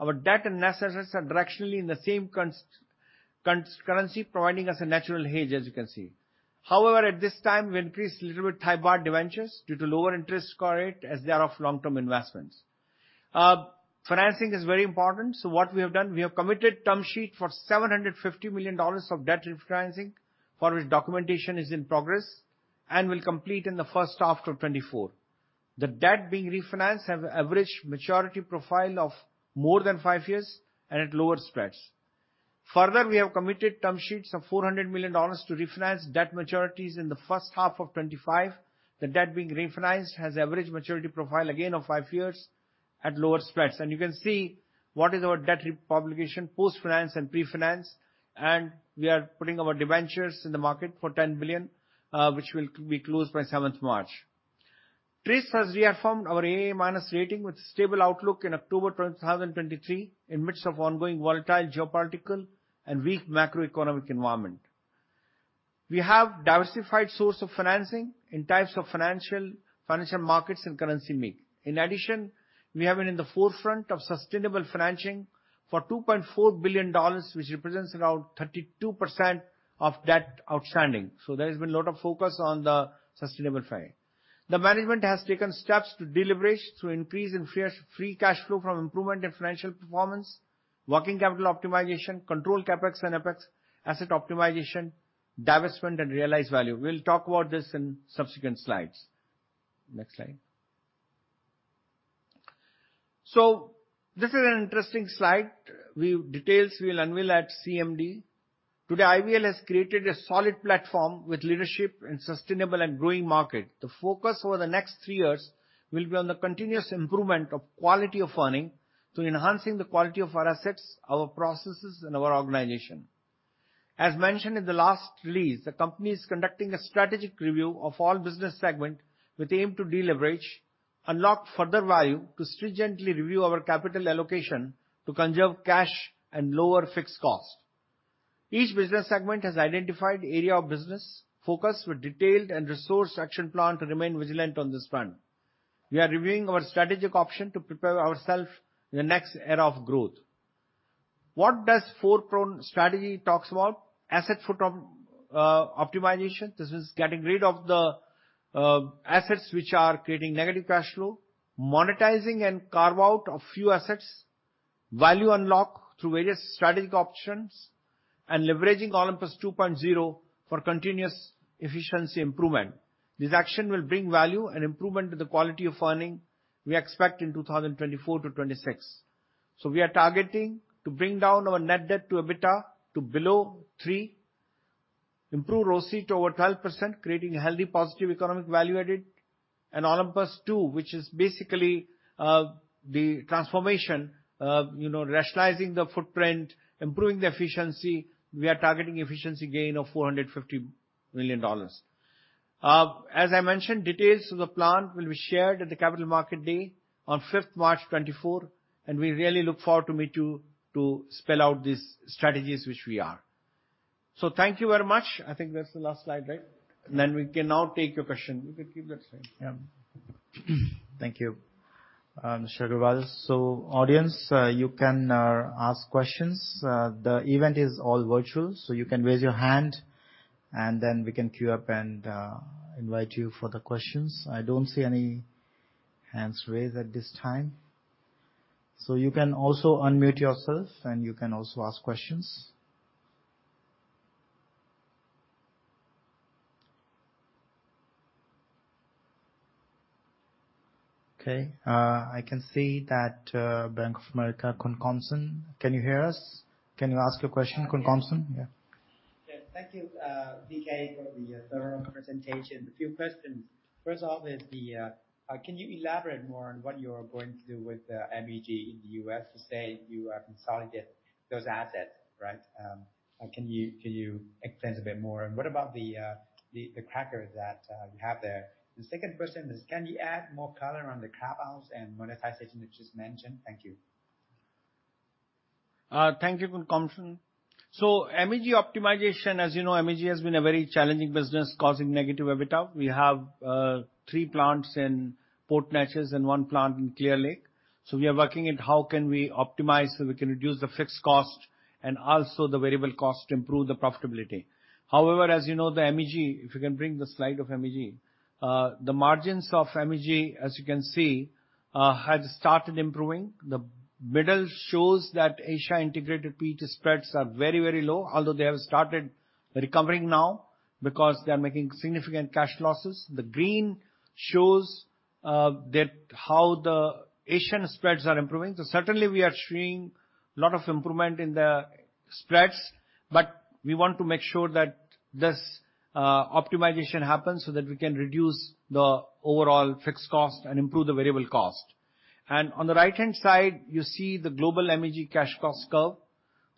Our debt and assets are directionally in the same currency, providing us a natural hedge, as you can see. However, at this time, we increased a little bit Thai baht debentures due to lower interest rate as they are of long-term investments. Financing is very important, so what we have done, we have committed term sheet for $750 million of debt refinancing, for which documentation is in progress and will complete in the first half of 2024. The debt being refinanced has an average maturity profile of more than five years and at lower spreads. Further, we have committed term sheets of $400 million to refinance debt maturities in the first half of 2025. The debt being refinanced has an average maturity profile, again, of five years at lower spreads. You can see what is our debt reduction post-financing and pre-financing, and we are putting our debentures in the market for $10 billion, which will be closed by 7th March. TRIS has reaffirmed our AA-rating with a stable outlook in October 2023 in the midst of ongoing volatile geopolitical and weak macroeconomic environment. We have a diversified source of financing in types of financial markets and currency mix. In addition, we have been in the forefront of sustainable financing for $2.4 billion, which represents around 32% of debt outstanding. So there has been a lot of focus on the sustainable finance. The management has taken steps to deliver through an increase in free cash flow from improvement in financial performance, working capital optimization, controlled Capex and opex, asset optimization, divestment, and realized value. We will talk about this in subsequent slides. Next slide. So this is an interesting slide. Details we will unveil at CMD. Today, IVL has created a solid platform with leadership in a sustainable and growing market. The focus over the next three years will be on the continuous improvement of the quality of earnings through enhancing the quality of our assets, our processes, and our organization. As mentioned in the last release, the company is conducting a strategic review of all business segments with the aim to deliberate, unlock further value, and stringently review our capital allocation to conserve cash and lower fixed costs. Each business segment has identified an area of business focus with a detailed and resource-action plan to remain vigilant on this front. We are reviewing our strategic option to prepare ourselves for the next era of growth. What does the four-pronged strategy talk about? Asset optimization. This means getting rid of the assets which are creating negative cash flow, monetizing and carving out a few assets, value unlocking through various strategic options, and leveraging Olympus 2.0 for continuous efficiency improvement. This action will bring value and improvement to the quality of earnings we expect in 2024 to 2026. So we are targeting to bring down our net debt to EBITDA to below 3, improve ROCE to over 12%, creating healthy positive economic value added, and Olympus 2, which is basically, the transformation, you know, rationalizing the footprint, improving the efficiency. We are targeting efficiency gain of $450 million. As I mentioned, details of the plan will be shared at the Capital Markets Day on 5th March 2024, and we really look forward to meeting to spell out these strategies which we are. So thank you very much. I think that's the last slide, right? Then we can now take your question. You can keep that slide. Yeah. Thank you, Mr. Agarwal. So, audience, you can ask questions. The event is all virtual, so you can raise your hand, and then we can queue up and invite you for the questions. I don't see any hands raised at this time. So you can also unmute yourself, and you can also ask questions. Okay. I can see that Bank of America Kanasarn Thananunniwat, can you hear us? Can you ask your question, Kanasarn Thananunniwat? Yeah. Yeah. Thank you, VK, for the thorough presentation. A few questions. First off, can you elaborate more on what you're going to do with MEG in the US to say you have consolidated those assets, right? Can you explain a bit more? And what about the cracker that you have there? The second question is, can you add more color on the Capex and monetization that you just mentioned? Thank you. Thank you, Kanasarn Thananunniwat. So MEG optimization, as you know, MEG has been a very challenging business causing negative EBITDA. We have three plants in Port Neches and one plant in Clear Lake. So we are working on how can we optimize so we can reduce the fixed cost and also the variable cost to improve the profitability. However, as you know, the MEG, if you can bring the slide of MEG, the margins of MEG, as you can see, had started improving. The middle shows that Asia-integrated PET spreads are very, very low, although they have started recovering now because they are making significant cash losses. The green shows how the Asian spreads are improving. So certainly, we are seeing a lot of improvement in the spreads, but we want to make sure that this optimization happens so that we can reduce the overall fixed cost and improve the variable cost. On the right-hand side, you see the global MEG cash cost curve.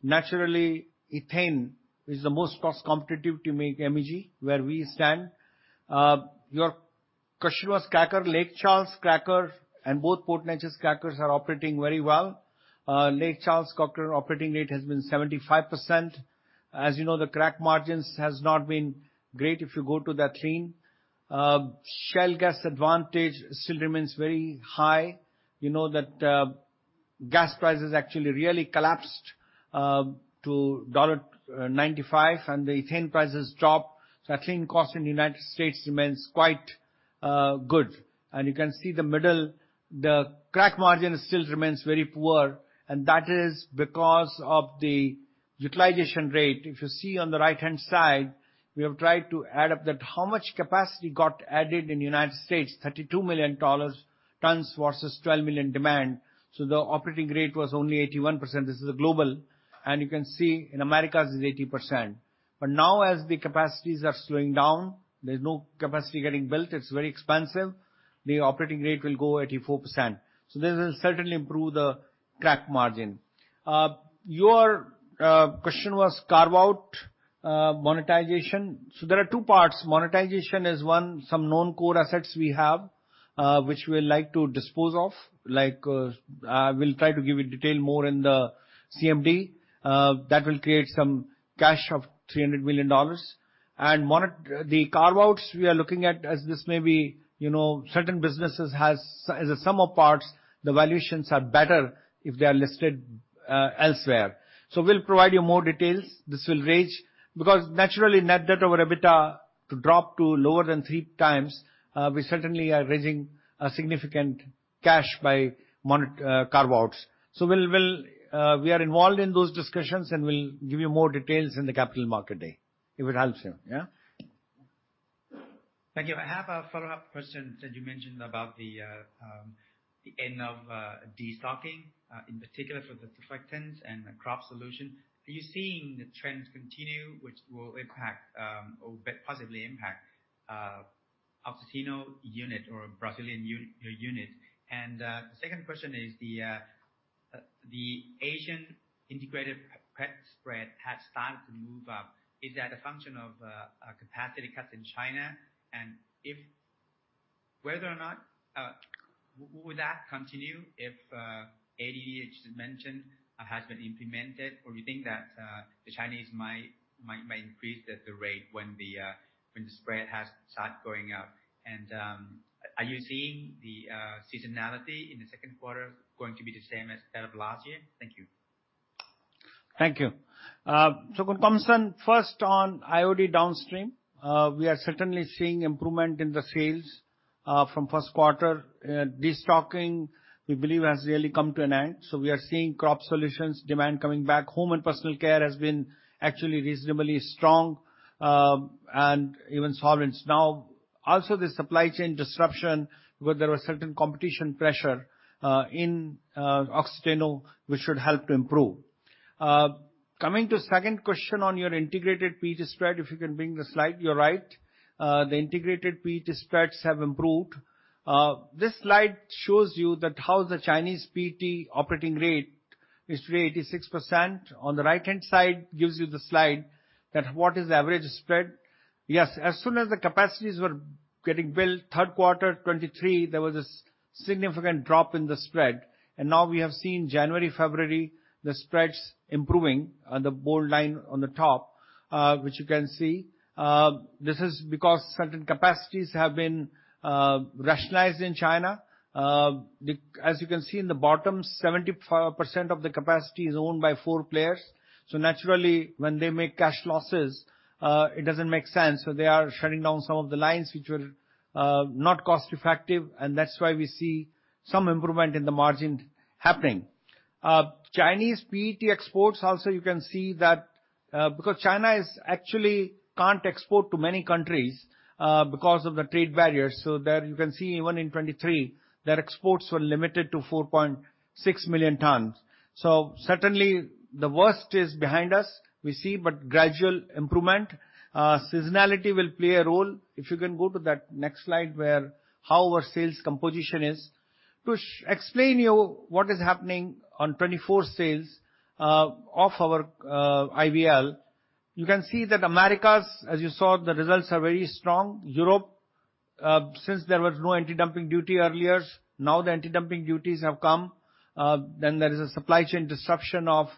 Naturally, ethane is the most cost-competitive to make MEG where we stand. Our Clear Lake cracker, Lake Charles cracker, and both Port Neches crackers are operating very well. Lake Charles cracker operating rate has been 75%. As you know, the crack margins have not been great if you go to that lean. Shale gas advantage still remains very high. You know that gas prices actually really collapsed to $1.95, and the ethane prices dropped. So ethane cost in the United States remains quite good. You can see the middle, the crack margin still remains very poor, and that is because of the utilization rate. If you see on the right-hand side, we have tried to add up how much capacity got added in the United States, 32 million tons versus 12 million demand. So the operating rate was only 81%. This is the global. And you can see in America, it is 80%. But now, as the capacities are slowing down, there's no capacity getting built. It's very expensive. The operating rate will go 84%. So this will certainly improve the crack margin. Your question was carve out monetization. So there are two parts. Monetization is one, some known core assets we have which we would like to dispose of. I will try to give you detail more in the CMD. That will create some cash of $300 million. The carve-outs we are looking at, as this may be, certain businesses have as a sum of parts, the valuations are better if they are listed elsewhere. So we'll provide you more details. This will help because, naturally, net debt over EBITDA to drop to lower than 3x, we certainly are raising significant cash by carve-outs. So we are involved in those discussions, and we'll give you more details in the Capital Markets Day if it helps you. Yeah? Thank you. I have a follow-up question that you mentioned about the end of destocking, in particular for the detergents and crop solutions. Are you seeing the trends continue which will impact or possibly impact Altamira unit or Brazilian unit? And the second question is, the Asian integrated PET spread has started to move up. Is that a function of capacity cuts in China? And whether or not would that continue if ADD, as you mentioned, has been implemented, or do you think that the Chinese might increase the rate when the spread has started going up? And are you seeing the seasonality in the Q2 going to be the same as that of last year? Thank you. Thank you. So, Kanasarn Thananunniwat, first on IOD downstream, we are certainly seeing improvement in the sales from Q1. Destocking, we believe, has really come to an end. So we are seeing crop solutions demand coming back. Home and personal care has been actually reasonably strong and even solvent now. Also, the supply chain disruption because there was certain competition pressure in Altamira, which should help to improve. Coming to the second question on your integrated PET spread, if you can bring the slide, you're right. The integrated PET spreads have improved. This slide shows you how the Chinese PET operating rate is today 86%. On the right-hand side gives you the slide that what is the average spread. Yes, as soon as the capacities were getting built, Q3, 2023, there was a significant drop in the spread. Now we have seen January, February, the spreads improving on the bold line on the top, which you can see. This is because certain capacities have been rationalized in China. As you can see in the bottom, 75% of the capacity is owned by four players. So, naturally, when they make cash losses, it doesn't make sense. So they are shutting down some of the lines which were not cost-effective, and that's why we see some improvement in the margin happening. Chinese PET exports also, you can see that because China actually can't export to many countries because of the trade barriers. So there, you can see even in 2023, their exports were limited to 4.6 million tons. So certainly, the worst is behind us. We see gradual improvement. Seasonality will play a role. If you can go to that next slide where how our sales composition is to explain to you what is happening on 2024 sales of our IVL, you can see that America, as you saw, the results are very strong. Europe, since there was no anti-dumping duty earlier, now the anti-dumping duties have come. Then there is a supply chain disruption of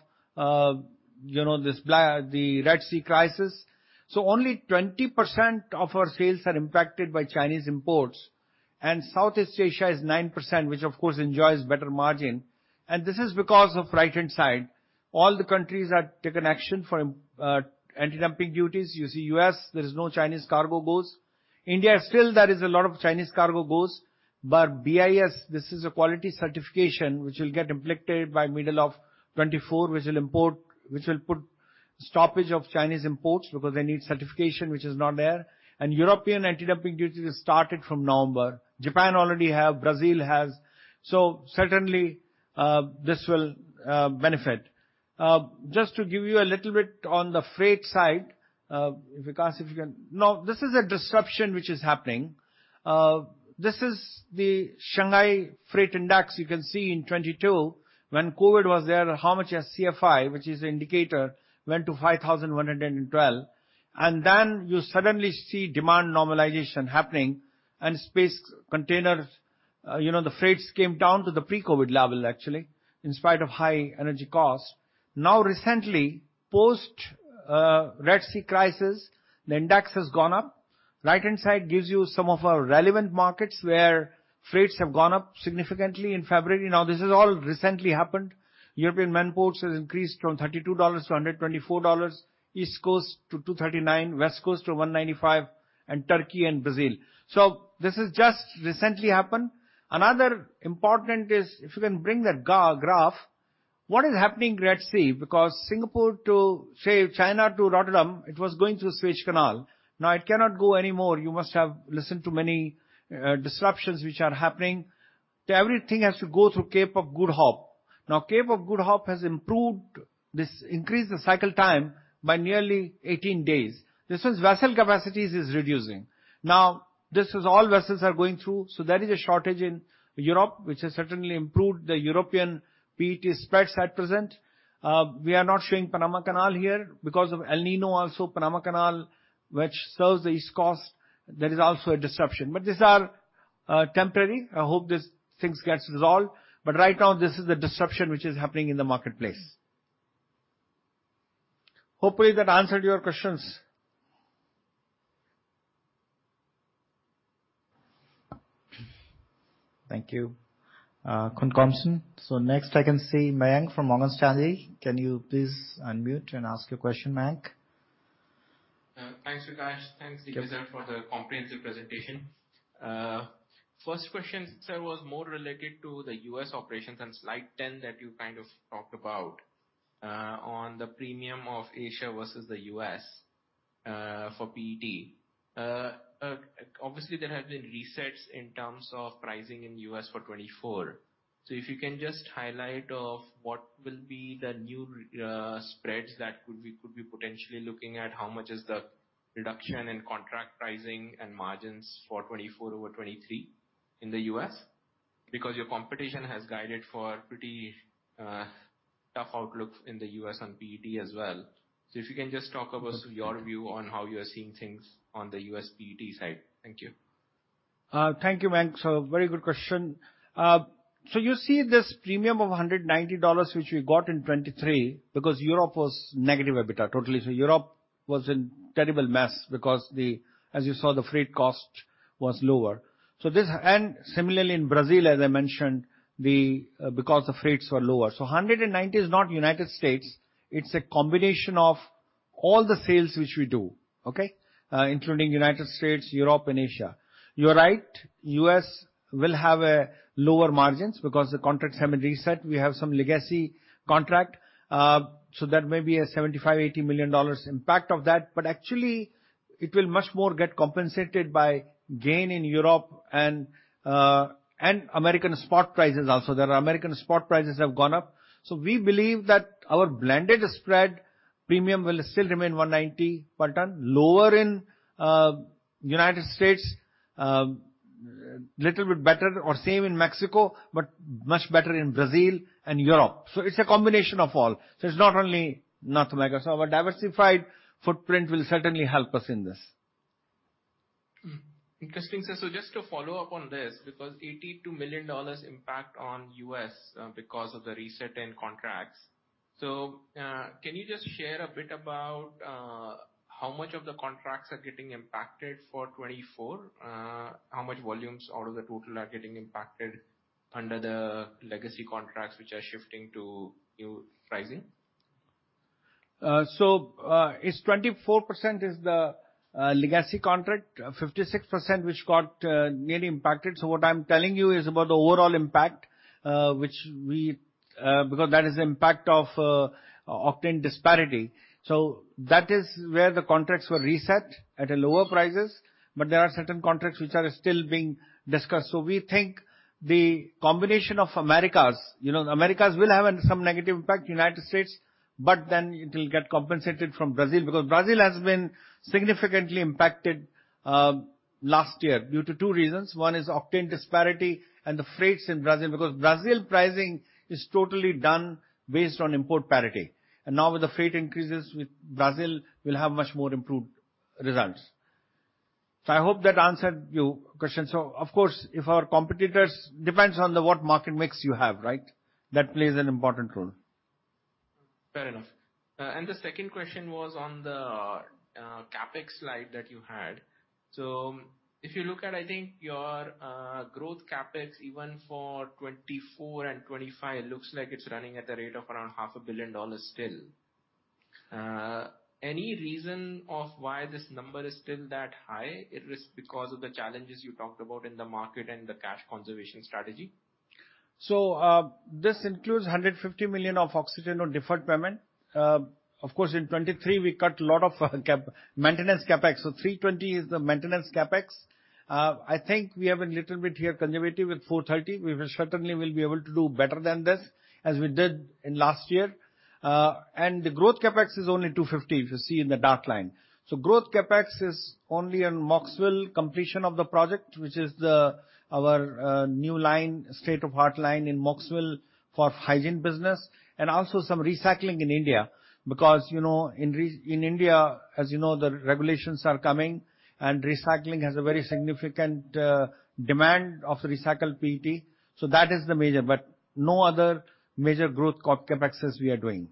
this Red Sea crisis. So only 20% of our sales are impacted by Chinese imports. And Southeast Asia is 9%, which, of course, enjoys better margin. This is because of the right-hand side. All the countries have taken action for anti-dumping duties. You see the U.S., there is no Chinese cargo goes. India, still, there is a lot of Chinese cargo goes. But BIS, this is a quality certification which will get implicated by the middle of 2024, which will put stoppage of Chinese imports because they need certification which is not there. And European anti-dumping duties started from November. Japan already has. Brazil has. So certainly, this will benefit. Just to give you a little bit on the freight side, this is a disruption which is happening. This is the Shanghai Freight Index. You can see in 2022, when COVID was there, how much your CFI, which is an indicator, went to 5,112. Then you suddenly see demand normalization happening, and space containers, you know, the freights came down to the pre-COVID level, actually, in spite of high energy cost. Now, recently, post-Red Sea crisis, the index has gone up. The right-hand side gives you some of our relevant markets where freights have gone up significantly in February. Now, this has all recently happened. European main ports have increased from $32 to $124, East Coast to $239, West Coast to $195, and Turkey and Brazil. So this has just recently happened. Another important is, if you can bring that graph, what is happening in the Red Sea? Because Singapore to, say, China to Rotterdam, it was going through the Suez Canal. Now, it cannot go anymore. You must have listened to many disruptions which are happening. Everything has to go through Cape of Good Hope. Now, Cape of Good Hope has improved this, increased the cycle time by nearly 18 days. This means vessel capacity is reducing. Now, this is all vessels are going through. So there is a shortage in Europe, which has certainly improved the European PET spreads at present. We are not showing Panama Canal here because of El Niño also. Panama Canal, which serves the East Coast, there is also a disruption. But these are temporary. I hope these things get resolved. But right now, this is the disruption which is happening in the marketplace. Hopefully, that answered your questions. Thank you, Kanasarn Thananunniwat. So next, I can see Mayank from Morgan Stanley. Can you please unmute and ask your question, Mayank? Thanks, Vikash. Thanks, Dilip, sir, for the comprehensive presentation. First question, sir, was more related to the US operations and slide 10 that you kind of talked about on the premium of Asia versus the US for PET. Obviously, there have been resets in terms of pricing in the US for 2024. So if you can just highlight what will be the new spreads that we could be potentially looking at, how much is the reduction in contract pricing and margins for 2024 over 2023 in the US? Because your competition has guided for a pretty tough outlook in the US on PET as well. So if you can just talk about your view on how you are seeing things on the US PET side. Thank you. Thank you, Mayank. So very good question. So you see this premium of $190 which we got in 2023 because Europe was negative EBITDA totally. So Europe was in terrible mess because, as you saw, the freight cost was lower. And similarly, in Brazil, as I mentioned, because the freights were lower. So $190 is not United States. It's a combination of all the sales which we do, okay, including United States, Europe, and Asia. You're right. The U.S. will have lower margins because the contracts have been reset. We have some legacy contract. So there may be a $75-$80 million impact of that. But actually, it will much more get compensated by gain in Europe and American spot prices also. There are American spot prices that have gone up. So we believe that our blended spread premium will still remain $190 per ton, lower in United States, a little bit better, or same in Mexico, but much better in Brazil and Europe. So it's a combination of all. So it's not only North America. So our diversified footprint will certainly help us in this. Interesting, sir. So just to follow up on this because $82 million impact on the US because of the reset in contracts. So can you just share a bit about how much of the contracts are getting impacted for 2024? How much volumes out of the total are getting impacted under the legacy contracts which are shifting to new pricing? So it's 24% is the legacy contract, 56% which got nearly impacted. So what I'm telling you is about the overall impact because that is the impact of Oxiteno disparity. So that is where the contracts were reset at lower prices. But there are certain contracts which are still being discussed. So we think the combination of Americas America will have some negative impact, United States, but then it will get compensated from Brazil because Brazil has been significantly impacted last year due to two reasons. One is Oxiteno disparity and the freights in Brazil because Brazil pricing is totally done based on import parity. And now, with the freight increases, Brazil will have much more improved results. So I hope that answered your question. So, of course, if our competitors depends on what market mix you have, right? That plays an important role. Fair enough. And the second question was on the CapEx slide that you had. So if you look at, I think, your growth CapEx even for 2024 and 2025, it looks like it's running at a rate of around $500 million still. Any reason of why this number is still that high? Is it because of the challenges you talked about in the market and the cash conservation strategy? So this includes $150 million of Oxiteno deferred payment. Of course, in 2023, we cut a lot of maintenance CapEx. So $320 is the maintenance CapEx. I think we have a little bit here conservative with $430. We certainly will be able to do better than this as we did last year. And the growth CapEx is only $250 if you see in the dark line. So growth CapEx is only on Mocksville completion of the project, which is our new line, state-of-the-art line in Mocksville for hygiene business, and also some recycling in India because, you know, in India, as you know, the regulations are coming, and recycling has a very significant demand of recycled PET. So that is the major. But no other major growth CapExes we are doing.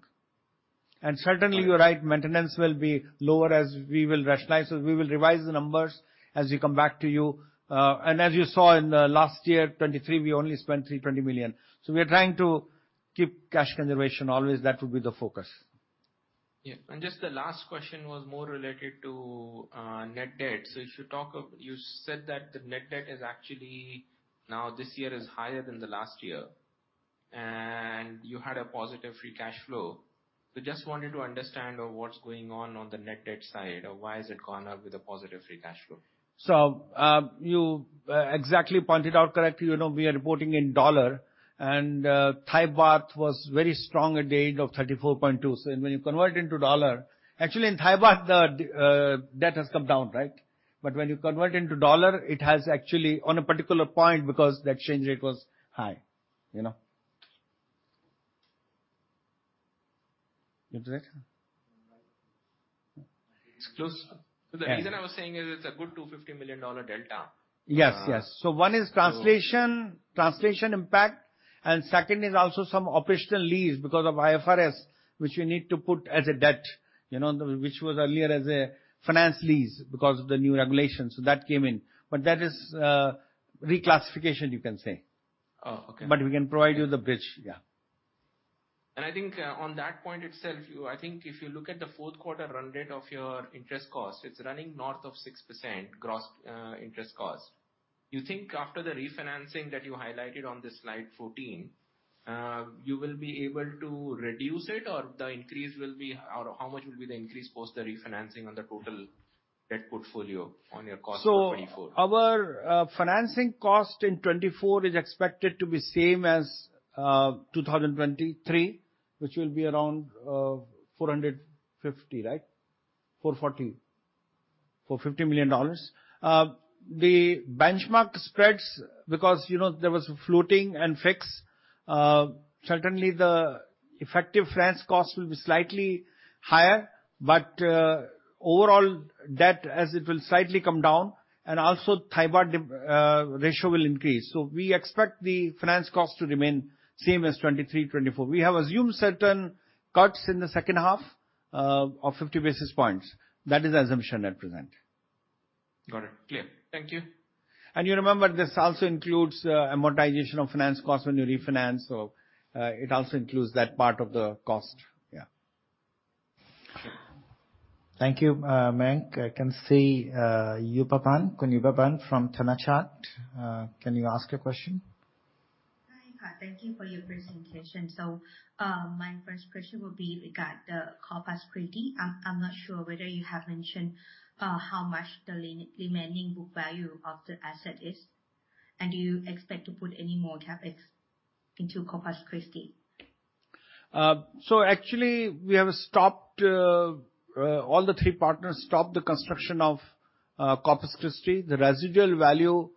Certainly, you're right. Maintenance will be lower as we will rationalize. We will revise the numbers as we come back to you. As you saw in last year, 2023, we only spent $320 million. We are trying to keep cash conservation always. That would be the focus. Yeah. Just the last question was more related to net debt. You said that the net debt is actually now this year is higher than the last year, and you had a positive free cash flow. Just wanted to understand what's going on on the net debt side or why has it gone up with a positive free cash flow? You exactly pointed out correctly. You know, we are reporting in dollar, and Thai baht was very strong at the end of 34.2. So when you convert into dollar actually, in Thai baht, the debt has come down, right? But when you convert into dollar, it has actually on a particular point because that exchange rate was high, you know? Excuse? The reason I was saying is it's a good $250 million delta. Yes, yes. So one is translation impact, and second is also some operational lease because of IFRS, which we need to put as a debt, you know, which was earlier as a finance lease because of the new regulations. So that came in. But that is reclassification, you can say. But we can provide you the bridge. Yeah. And I think on that point itself, I think if you look at the Q4 run rate of your interest cost, it's running north of 6% gross interest cost. You think after the refinancing that you highlighted on this slide 14, you will be able to reduce it, or the increase will be, or how much will be the increase post the refinancing on the total debt portfolio on your cost for 2024? So our financing cost in 2024 is expected to be the same as 2023, which will be around $450 million, right? $440-$450 million. The benchmark spreads because, you know, there was floating and fixed. Certainly, the effective finance cost will be slightly higher, but overall debt, as it will slightly come down, and also Thai baht ratio will increase. So we expect the finance cost to remain the same as 2023, 2024. We have assumed certain cuts in the second half of 50 basis points. That is the assumption at present. Got it. Clear. Thank you. You remember, this also includes amortization of finance costs when you refinance. It also includes that part of the cost. Yeah. Thank you, Mayank. I can see Yupapan from Thanachart. Can you ask your question? Hi Ka. Thank you for your presentation. So my first question would be regarding the Corpus Christi. I'm not sure whether you have mentioned how much the remaining book value of the asset is. And do you expect to put any more CapEx into Corpus Christi? So actually, we have stopped all the three partners stopped the construction of Corpus Christi. The residual value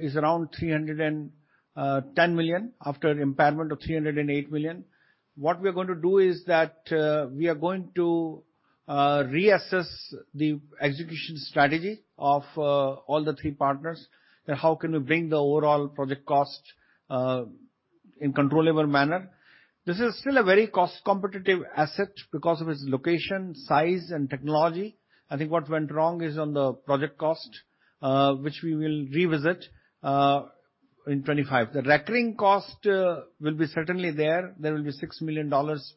is around $310 million after impairment of $308 million. What we are going to do is that we are going to reassess the execution strategy of all the three partners and how can we bring the overall project cost in a controllable manner. This is still a very cost-competitive asset because of its location, size, and technology. I think what went wrong is on the project cost, which we will revisit in 2025. The recurring cost will be certainly there. There will be $6 million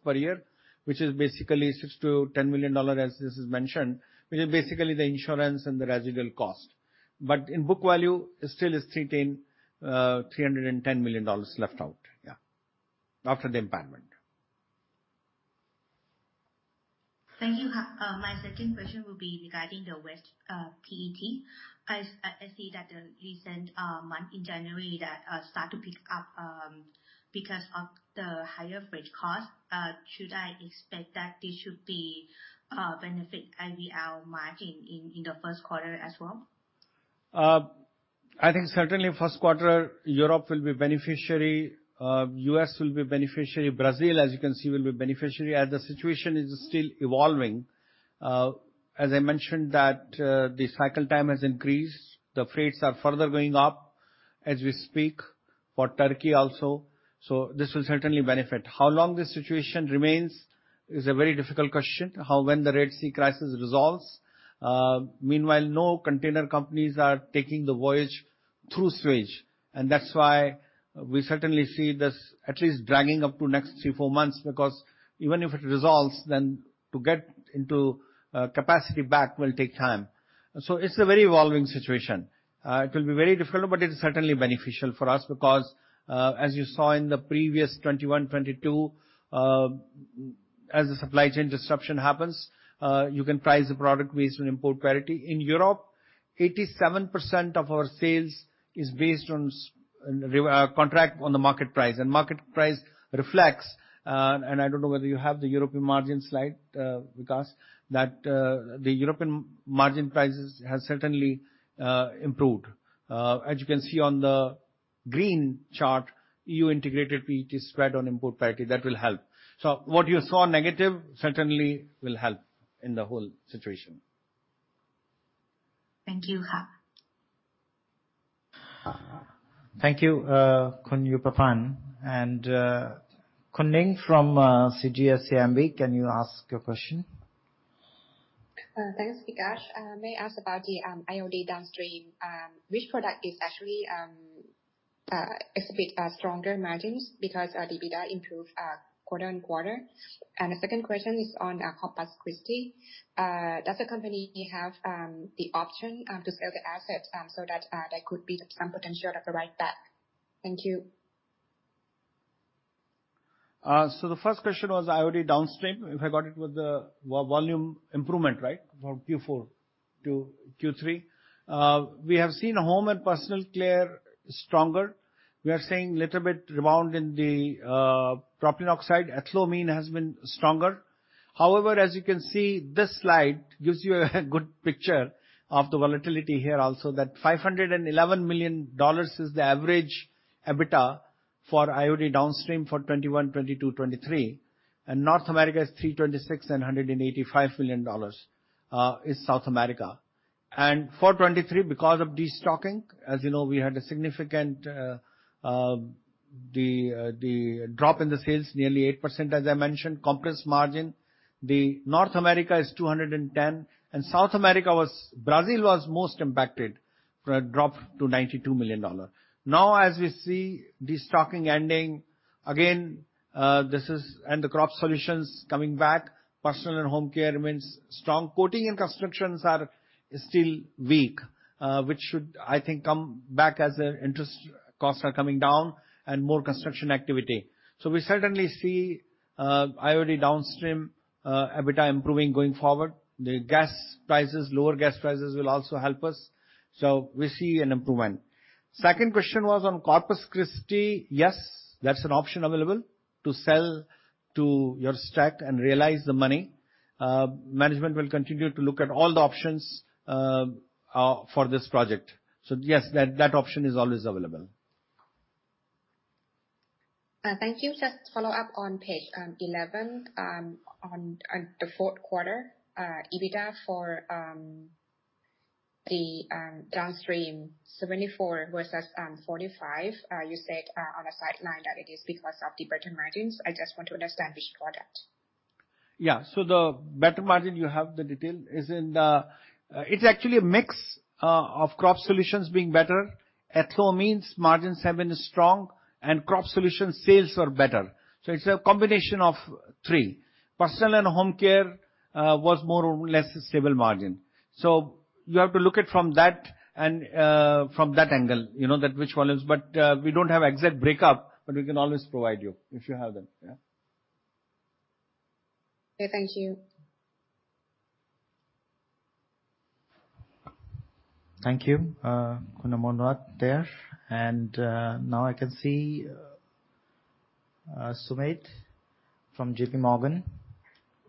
per year, which is basically $6-$10 million, as this is mentioned, which is basically the insurance and the residual cost. But in book value, it still is $310 million left out, yeah, after the impairment. Thank you. My second question will be regarding the rPET. I see that the recent month in January that started to pick up because of the higher freight cost. Should I expect that this should be benefit IVL margin in the Q1 as well? I think certainly, Q1, Europe will be beneficiary. The US will be beneficiary. Brazil, as you can see, will be beneficiary. As the situation is still evolving, as I mentioned, that the cycle time has increased. The freights are further going up as we speak for Turkey also. So this will certainly benefit. How long this situation remains is a very difficult question, when the Red Sea crisis resolves. Meanwhile, no container companies are taking the voyage through Suez. And that's why we certainly see this at least dragging up to the next 3-4 months because even if it resolves, then to get capacity back will take time. So it's a very evolving situation. It will be very difficult, but it is certainly beneficial for us because, as you saw in the previous 2021, 2022, as the supply chain disruption happens, you can price the product based on import parity. In Europe, 87% of our sales is based on contract on the market price. And market price reflects, and I don't know whether you have the European margin slide, Vikash, that the European margin prices have certainly improved. As you can see on the green chart, EU integrated PET spread on import parity. That will help. So what you saw negative certainly will help in the whole situation. Thank you, Ka. Thank you, Yupapan. And Khun Ning from CGS-CIMB, can you ask your question? Thanks, Vikash. May I ask about the IOD downstream? Which product is actually exhibit stronger margins because EBITDA improved quarter-over-quarter? And the second question is on Corpus Christi. Does the company have the option to sell the asset so that there could be some potential of a write-back? Thank you. So the first question was IOD downstream, if I got it, with the volume improvement, right, from Q4 to Q3. We have seen home and personal care stronger. We are seeing a little bit rebound in the propylene oxide. Ethanolamines has been stronger. However, as you can see, this slide gives you a good picture of the volatility here also that $511 million is the average EBITDA for IOD downstream for 2021, 2022, 2023. North America is $326 million and $185 million is South America. For 2023, because of destocking, as you know, we had a significant drop in the sales, nearly 8%, as I mentioned, margin compression. North America is $210 million. South America, Brazil, was most impacted from a drop to $92 million. Now, as we see destocking ending, again, this is and the Crop Solutions coming back, personal and home care remains strong. Coatings and construction are still weak, which should, I think, come back as interest rates are coming down and more construction activity. So we certainly see IOD downstream EBITDA improving going forward. The gas prices, lower gas prices, will also help us. So we see an improvement. Second question was on Corpus Christi. Yes, that's an option available to sell your stake and realize the money. Management will continue to look at all the options for this project. So yes, that option is always available. Thank you. Just follow up on page 11 on the Q4, EBITDA for the downstream, $74 versus $45. You said on the sideline that it is because of the better margins. I just want to understand which product. Yeah. So the better margin you have the detail is in the it's actually a mix of Crop Solutions being better. Ethanolamines' margins have been strong, and Crop Solution sales are better. So it's a combination of three. Personal and home care was more or less a stable margin. So you have to look at from that angle, you know, that which volumes. But we don't have exact breakup, but we can always provide you if you have them. Yeah. Okay. Thank you. Thank you, Khun Ning, there. And now I can see Sumit from J.P. Morgan.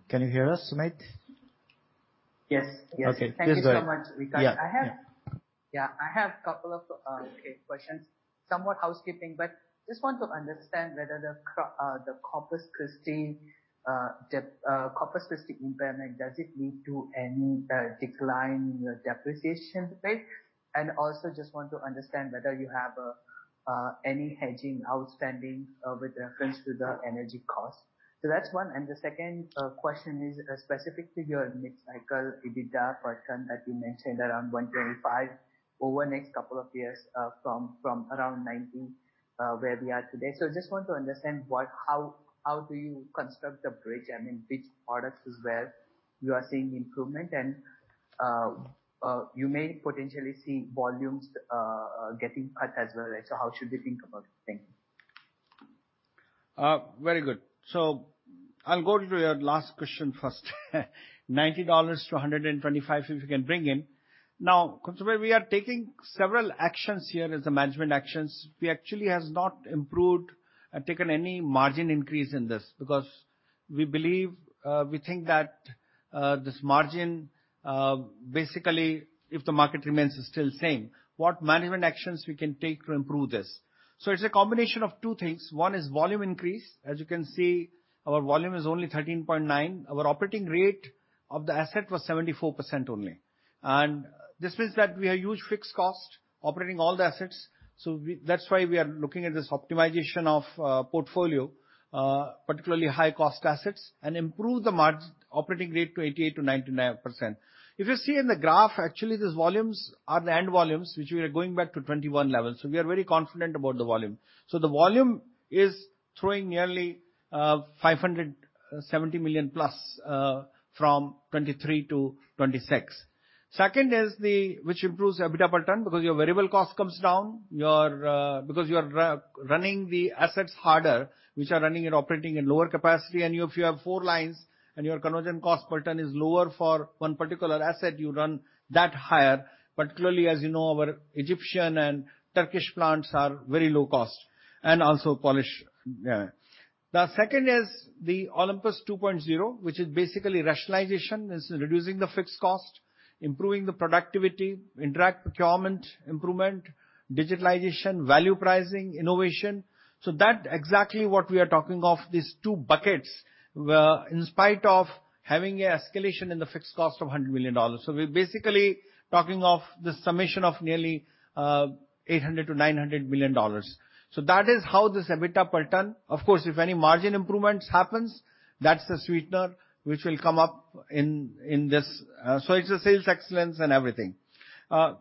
Can you hear us, Sumit? Yes. Yes. Thank you so much, Vikash. Yeah. I have a couple of questions, somewhat housekeeping, but just want to understand whether the Corpus Christi impairment, does it lead to any decline in your depreciation rate? And also just want to understand whether you have any hedging outstanding with reference to the energy cost. So that's one. And the second question is specific to your mid-cycle EBITDA pattern that you mentioned around $125 over the next couple of years from around $90 where we are today. So I just want to understand how do you construct a bridge? I mean, which products is where you are seeing improvement? And you may potentially see volumes getting cut as well, right? So how should we think about it? Thank you. Very good. So I'll go to your last question first. $90-$125 if you can bring in. Now, Yupapan, we are taking several actions here as management actions. We actually have not improved, taken any margin increase in this because we believe we think that this margin basically, if the market remains still same, what management actions we can take to improve this? So it's a combination of two things. One is volume increase. As you can see, our volume is only 13.9. Our operating rate of the asset was 74% only. And this means that we have huge fixed costs operating all the assets. So that's why we are looking at this optimization of portfolio, particularly high-cost assets, and improve the operating rate to 88%-99%. If you see in the graph, actually, these volumes are the end volumes, which we are going back to 2021 level. So we are very confident about the volume. So the volume is throwing nearly $570 million plus from 2023 to 2026. Second is the which improves EBITDA per ton because your variable cost comes down because you are running the assets harder, which are running and operating in lower capacity. And if you have four lines and your conversion cost per ton is lower for one particular asset, you run that higher, particularly as you know, our Egyptian and Turkish plants are very low-cost and also Polish. The second is the Olympus 2.0, which is basically rationalization. This is reducing the fixed cost, improving the productivity, indirect procurement improvement, digitalization, value pricing, innovation. So that's exactly what we are talking of, these two buckets were in spite of having an escalation in the fixed cost of $100 million. So we're basically talking of the summation of nearly $800 million-$900 million. So that is how this EBITDA per turn, of course, if any margin improvements happens, that's a sweetener which will come up in this. So it's a sales excellence and everything.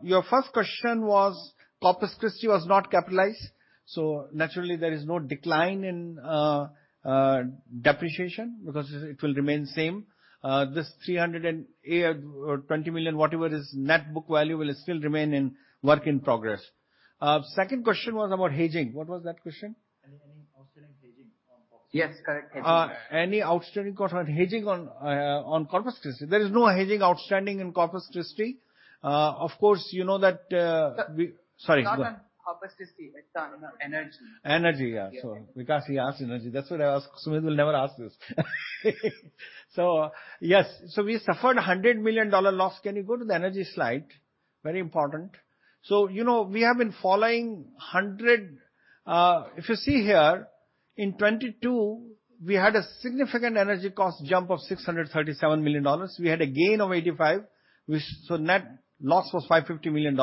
Your first question was Corpus Christi was not capitalized. So naturally, there is no decline in depreciation because it will remain the same. This $320 million, whatever is net book value, will still remain in work in progress. Second question was about hedging. What was that question? Any outstanding hedging on Corpus Christi? Yes. Correct. Hedging. Any outstanding hedging on Corpus Christi? There is no hedging outstanding in Corpus Christi. Of course, you know that we— sorry. Not on Corpus Christi, it's on energy. Energy, yeah. So Vikash, he asked energy. That's what I asked. Sumit will never ask this. So yes. So we suffered $100 million loss. Can you go to the energy slide? Very important. So you know we have been following 100 if you see here, in 2022, we had a significant energy cost jump of $637 million. We had a gain of $85. So net loss was $550 million.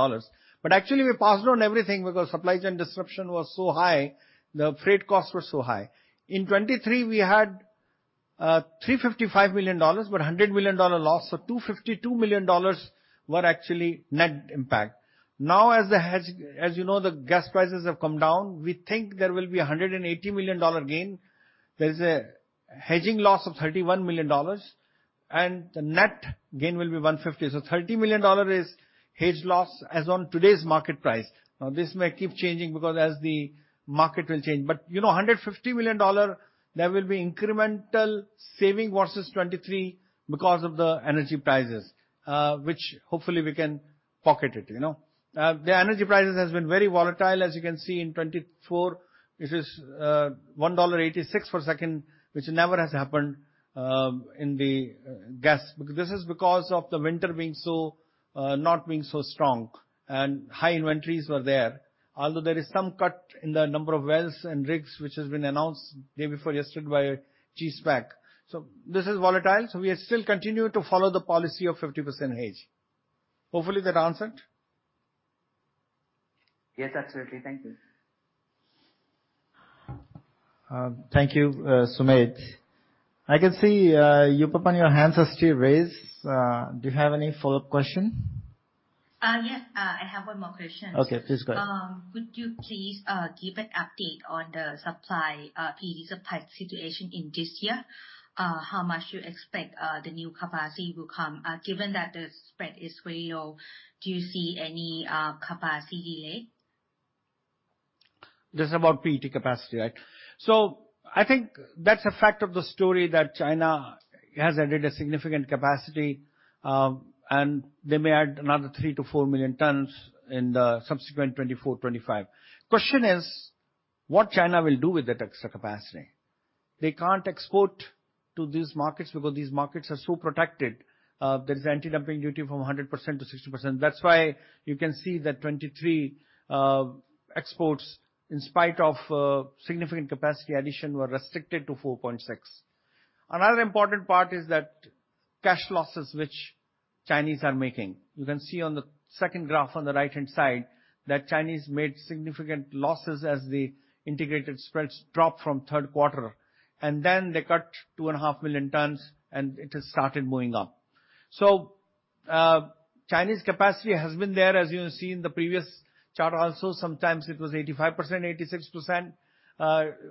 But actually, we passed on everything because supply chain disruption was so high, the freight costs were so high. In 2023, we had $355 million but $100 million loss. So $252 million were actually net impact. Now, as you know, the gas prices have come down, we think there will be a $180 million gain. There is a hedging loss of $31 million, and the net gain will be $150 million. So $30 million is hedged loss as on today's market price. Now, this may keep changing because as the market will change. But you know $150 million, there will be incremental saving versus 2023 because of the energy prices, which hopefully we can pocket it. The energy prices have been very volatile. As you can see, in 2024, it is $1.86 per second, which never has happened in the gas because this is because of the winter being not so strong and high inventories were there, although there is some cut in the number of wells and rigs which has been announced the day before yesterday by Chesapeake Energy. So this is volatile. So we still continue to follow the policy of 50% hedge. Hopefully, that answered. Yes. Absolutely. Thank you. Thank you, Sumit. I can see Yupapan, your hands are still raised. Do you have any follow-up question? Yes. I have one more question. Okay. Please go ahead. Could you please give an update on the PET supply situation in this year? How much do you expect the new capacity will come? Given that the spread is very low, do you see any capacity delay? This is about PET capacity, right? So I think that's a fact of the story that China has added a significant capacity, and they may add another 3-4 million tons in the subsequent 2024, 2025. Question is what China will do with that extra capacity. They can't export to these markets because these markets are so protected. There is anti-dumping duty from 100% to 60%. That's why you can see that 2023 exports, in spite of significant capacity addition, were restricted to 4.6. Another important part is that cash losses which Chinese are making. You can see on the second graph on the right-hand side that Chinese made significant losses as the integrated spreads dropped from Q3, and then they cut 2.5 million tons, and it has started moving up. So Chinese capacity has been there, as you have seen in the previous chart also. Sometimes it was 85%, 86%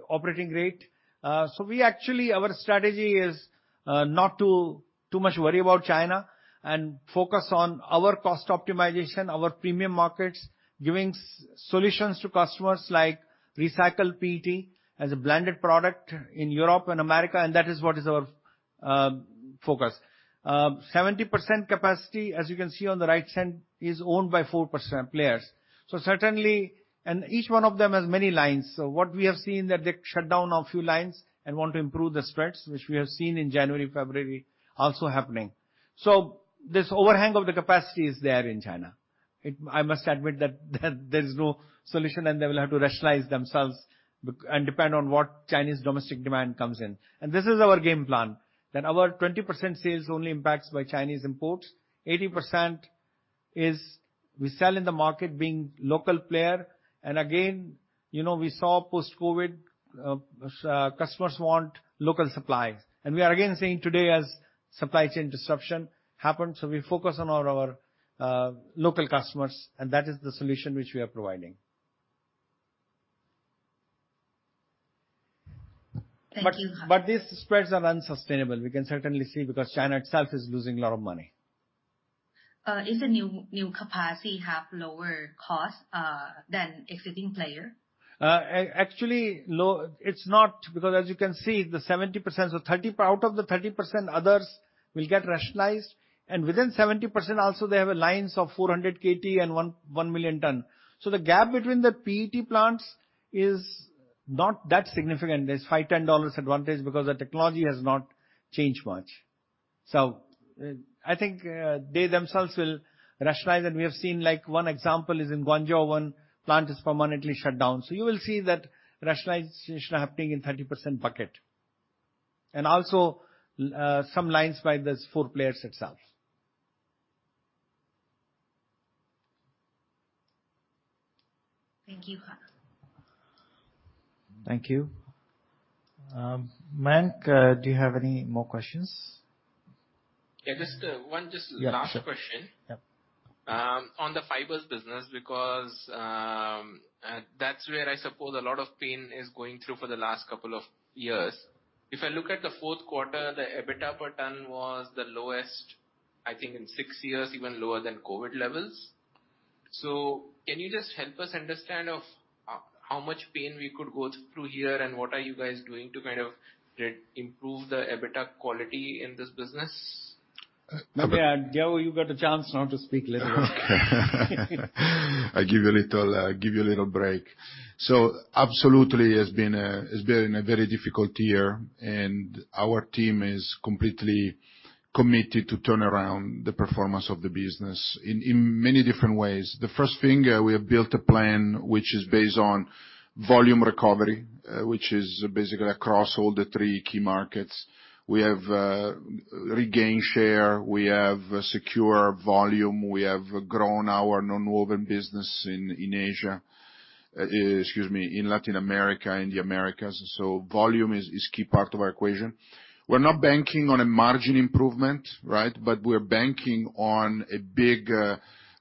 operating rate. So we actually, our strategy is not too much worry about China and focus on our cost optimization, our premium markets, giving solutions to customers like recycled PET as a blended product in Europe and America, and that is what is our focus. 70% capacity, as you can see on the right side, is owned by 4 players. So certainly, and each one of them has many lines. So what we have seen is that they shut down a few lines and want to improve the spreads, which we have seen in January, February also happening. So this overhang of the capacity is there in China. I must admit that there is no solution, and they will have to rationalize themselves and depend on what Chinese domestic demand comes in. And this is our game plan, that our 20% sales only impacts by Chinese imports. 80% is we sell in the market being local player. And again, you know we saw post-COVID, customers want local supplies. We are again seeing today, as supply chain disruption happened, so we focus on our local customers, and that is the solution which we are providing. But these spreads are unsustainable. We can certainly see because China itself is losing a lot of money. Is the new capacity have lower cost than existing player? Actually, it's not because, as you can see, the 70%, so out of the 30%, others will get rationalized. And within 70%, also, they have lines of 400 KT and 1 million ton. So the gap between the PET plants is not that significant. There's $510 advantage because the technology has not changed much. So I think they themselves will rationalize, and we have seen one example is in Guangzhou, one plant is permanently shut down. So you will see that rationalization happening in 30% bucket and also some lines by these four players itself. Thank you, Ha. Thank you. Mayank, do you have any more questions? Yeah. Just one, just last question on the fibers business because that's where I suppose a lot of pain is going through for the last couple of years. If I look at the Q4, the EBITDA per ton was the lowest, I think, in six years, even lower than COVID levels. So can you just help us understand how much pain we could go through here, and what are you guys doing to kind of improve the EBITDA quality in this business? Yeah. Diego, you got a chance now to speak a little bit. Okay. I'll give you a little break. So absolutely, it's been a very difficult year, and our team is completely committed to turn around the performance of the business in many different ways. The first thing, we have built a plan which is based on volume recovery, which is basically across all the three key markets. We have regained share. We have secured volume. We have grown our non-woven business in Asia, excuse me, in Latin America, in the Americas. So volume is a key part of our equation. We're not banking on a margin improvement, right? But we're banking on a big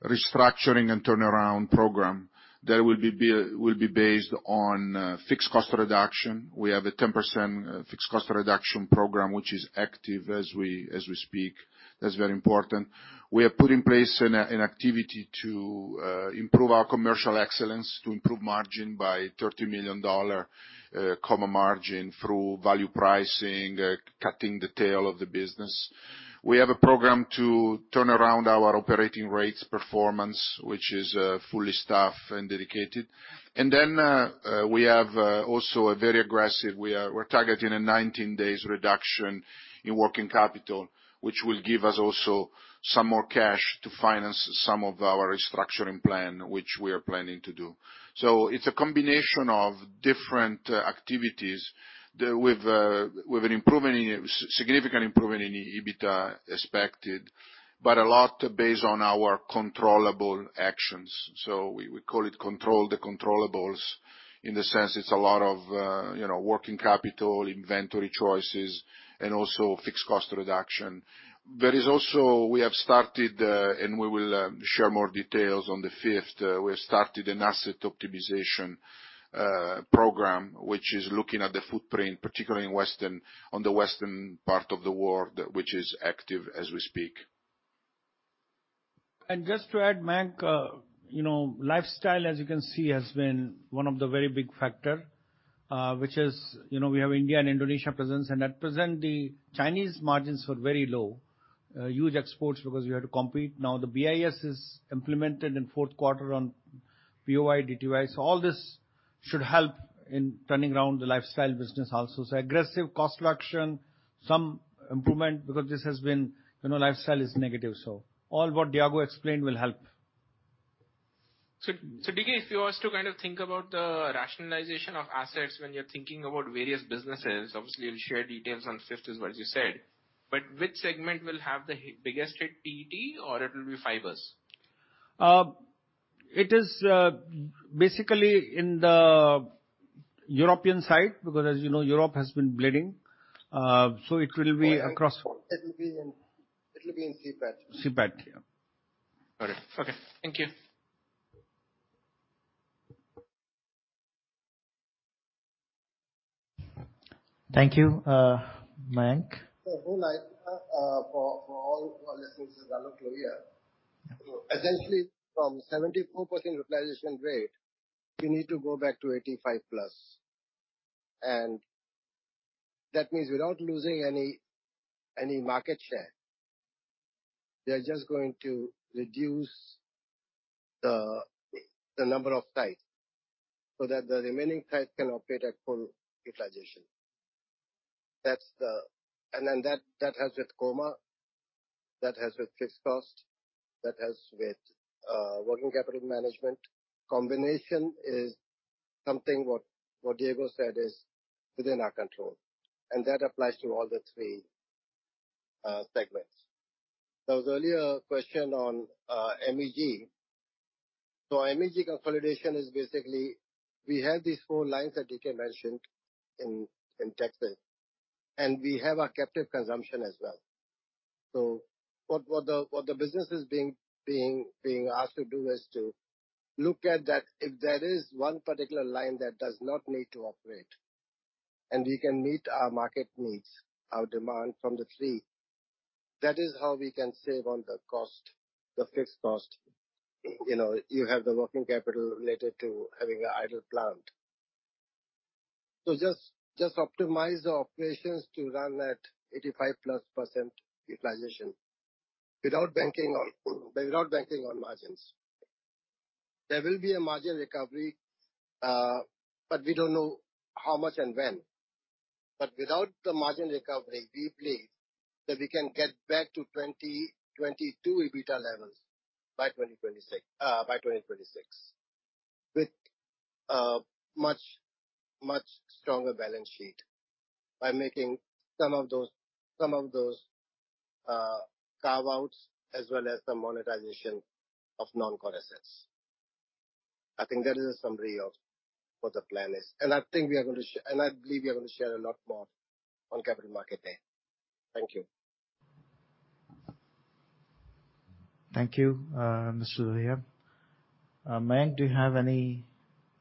restructuring and turnaround program that will be based on fixed cost reduction. We have a 10% fixed cost reduction program which is active as we speak. That's very important. We have put in place an activity to improve our commercial excellence, to improve margin by $30 million margin through value pricing, cutting the tail of the business. We have a program to turn around our operating rates performance, which is fully staffed and dedicated. And then we have also a very aggressive, we're targeting a 19-day reduction in working capital, which will give us also some more cash to finance some of our restructuring plan, which we are planning to do. So it's a combination of different activities with an improvement in significant improvement in EBITDA expected, but a lot based on our controllable actions. So we call it control the controllables in the sense it's a lot of working capital, inventory choices, and also fixed cost reduction. There is also. We have started, and we will share more details on the fifth. We have started an asset optimization program which is looking at the footprint, particularly on the western part of the world, which is active as we speak. Just to add, Mayank, lifestyle, as you can see, has been one of the very big factors, which is we have India and Indonesia presence. At present, the Chinese margins were very low, huge exports because we had to compete. Now, the BIS is implemented in Q4 on POY, DTY. So all this should help in turning around the lifestyle business also. So aggressive cost reduction, some improvement because this has been, lifestyle is negative. So all what Diego explained will help. So Diego, if you were to kind of think about the rationalization of assets when you're thinking about various businesses, obviously, you'll share details on the fifth is what you said. But which segment will have the biggest hit: PET, or it will be fibers? It is basically in the European side because, as you know, Europe has been bleeding. So it will be across. It will be in CPET. CPET. Yeah. Got it. Okay. Thank you. Thank you, Mayank. So for all our listeners, it's Aloke Lohia. Essentially, from 74% utilization rate, you need to go back to 85+. And that means without losing any market share, they're just going to reduce the number of sites so that the remaining sites can operate at full utilization. And then that has with COMA. That has with fixed cost. That has with working capital management. Combination is something what Diego said is within our control. That applies to all the 3 segments. There was earlier a question on MEG. MEG consolidation is basically we have these 4 lines that Diego mentioned in Texas, and we have our captive consumption as well. What the business is being asked to do is to look at that if there is 1 particular line that does not need to operate, and we can meet our market needs, our demand from the 3, that is how we can save on the cost, the fixed cost. You have the working capital related to having an idle plant. Just optimize the operations to run at 85%+ utilization without banking on margins. There will be a margin recovery, but we don't know how much and when. But without the margin recovery, we believe that we can get back to 2022 EBITDA levels by 2026 with a much stronger balance sheet by making some of those carve-outs as well as the monetization of non-core assets. I think that is a summary of what the plan is. I think we are going to share and I believe we are going to share a lot more on Capital Markets Day. Thank you. Thank you, Mr. Yupapan. Mayank, do you have any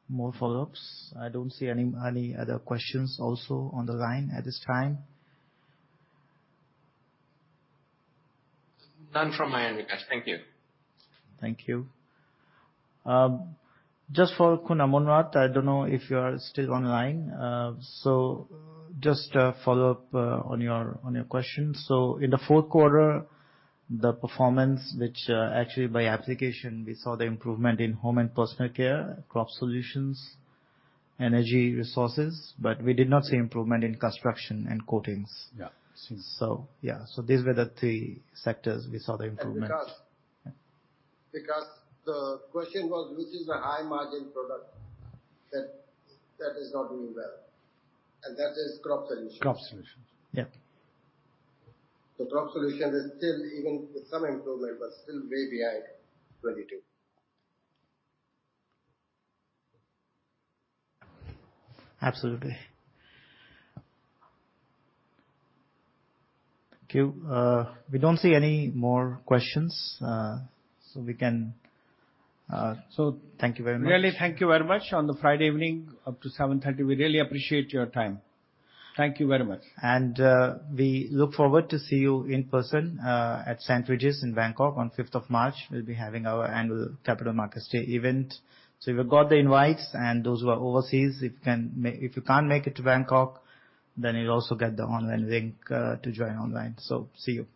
more follow-ups? I don't see any other questions also on the line at this time. None from my end, Vikash. Thank you. Thank you. Just for Muthukumar Paramasivam, I don't know if you are still online. So just follow up on your question. So in the Q4, the performance, which actually by application, we saw the improvement in Home and Personal Care, Crop Solutions, Energy Resources, but we did not see improvement in Construction and Coatings. So yeah. So these were the three sectors we saw the improvement. Because the question was which is the high-margin product that is not doing well. And that is Crop Solutions. Crop Solutions. Yeah. So Crop Solutions are still, even with some improvement, but still way behind 2022. Absolutely. Thank you. We don't see any more questions. So we can thank you very much. Really, thank you very much. On the Friday evening up to 7:30 P.M., we really appreciate your time. Thank you very much. And we look forward to see you in person at the Shangri-La in Bangkok on 5th of March. We'll be having our annual Capital Markets Day event. If you got the invites and those who are overseas, if you can't make it to Bangkok, then you'll also get the online link to join online. See you.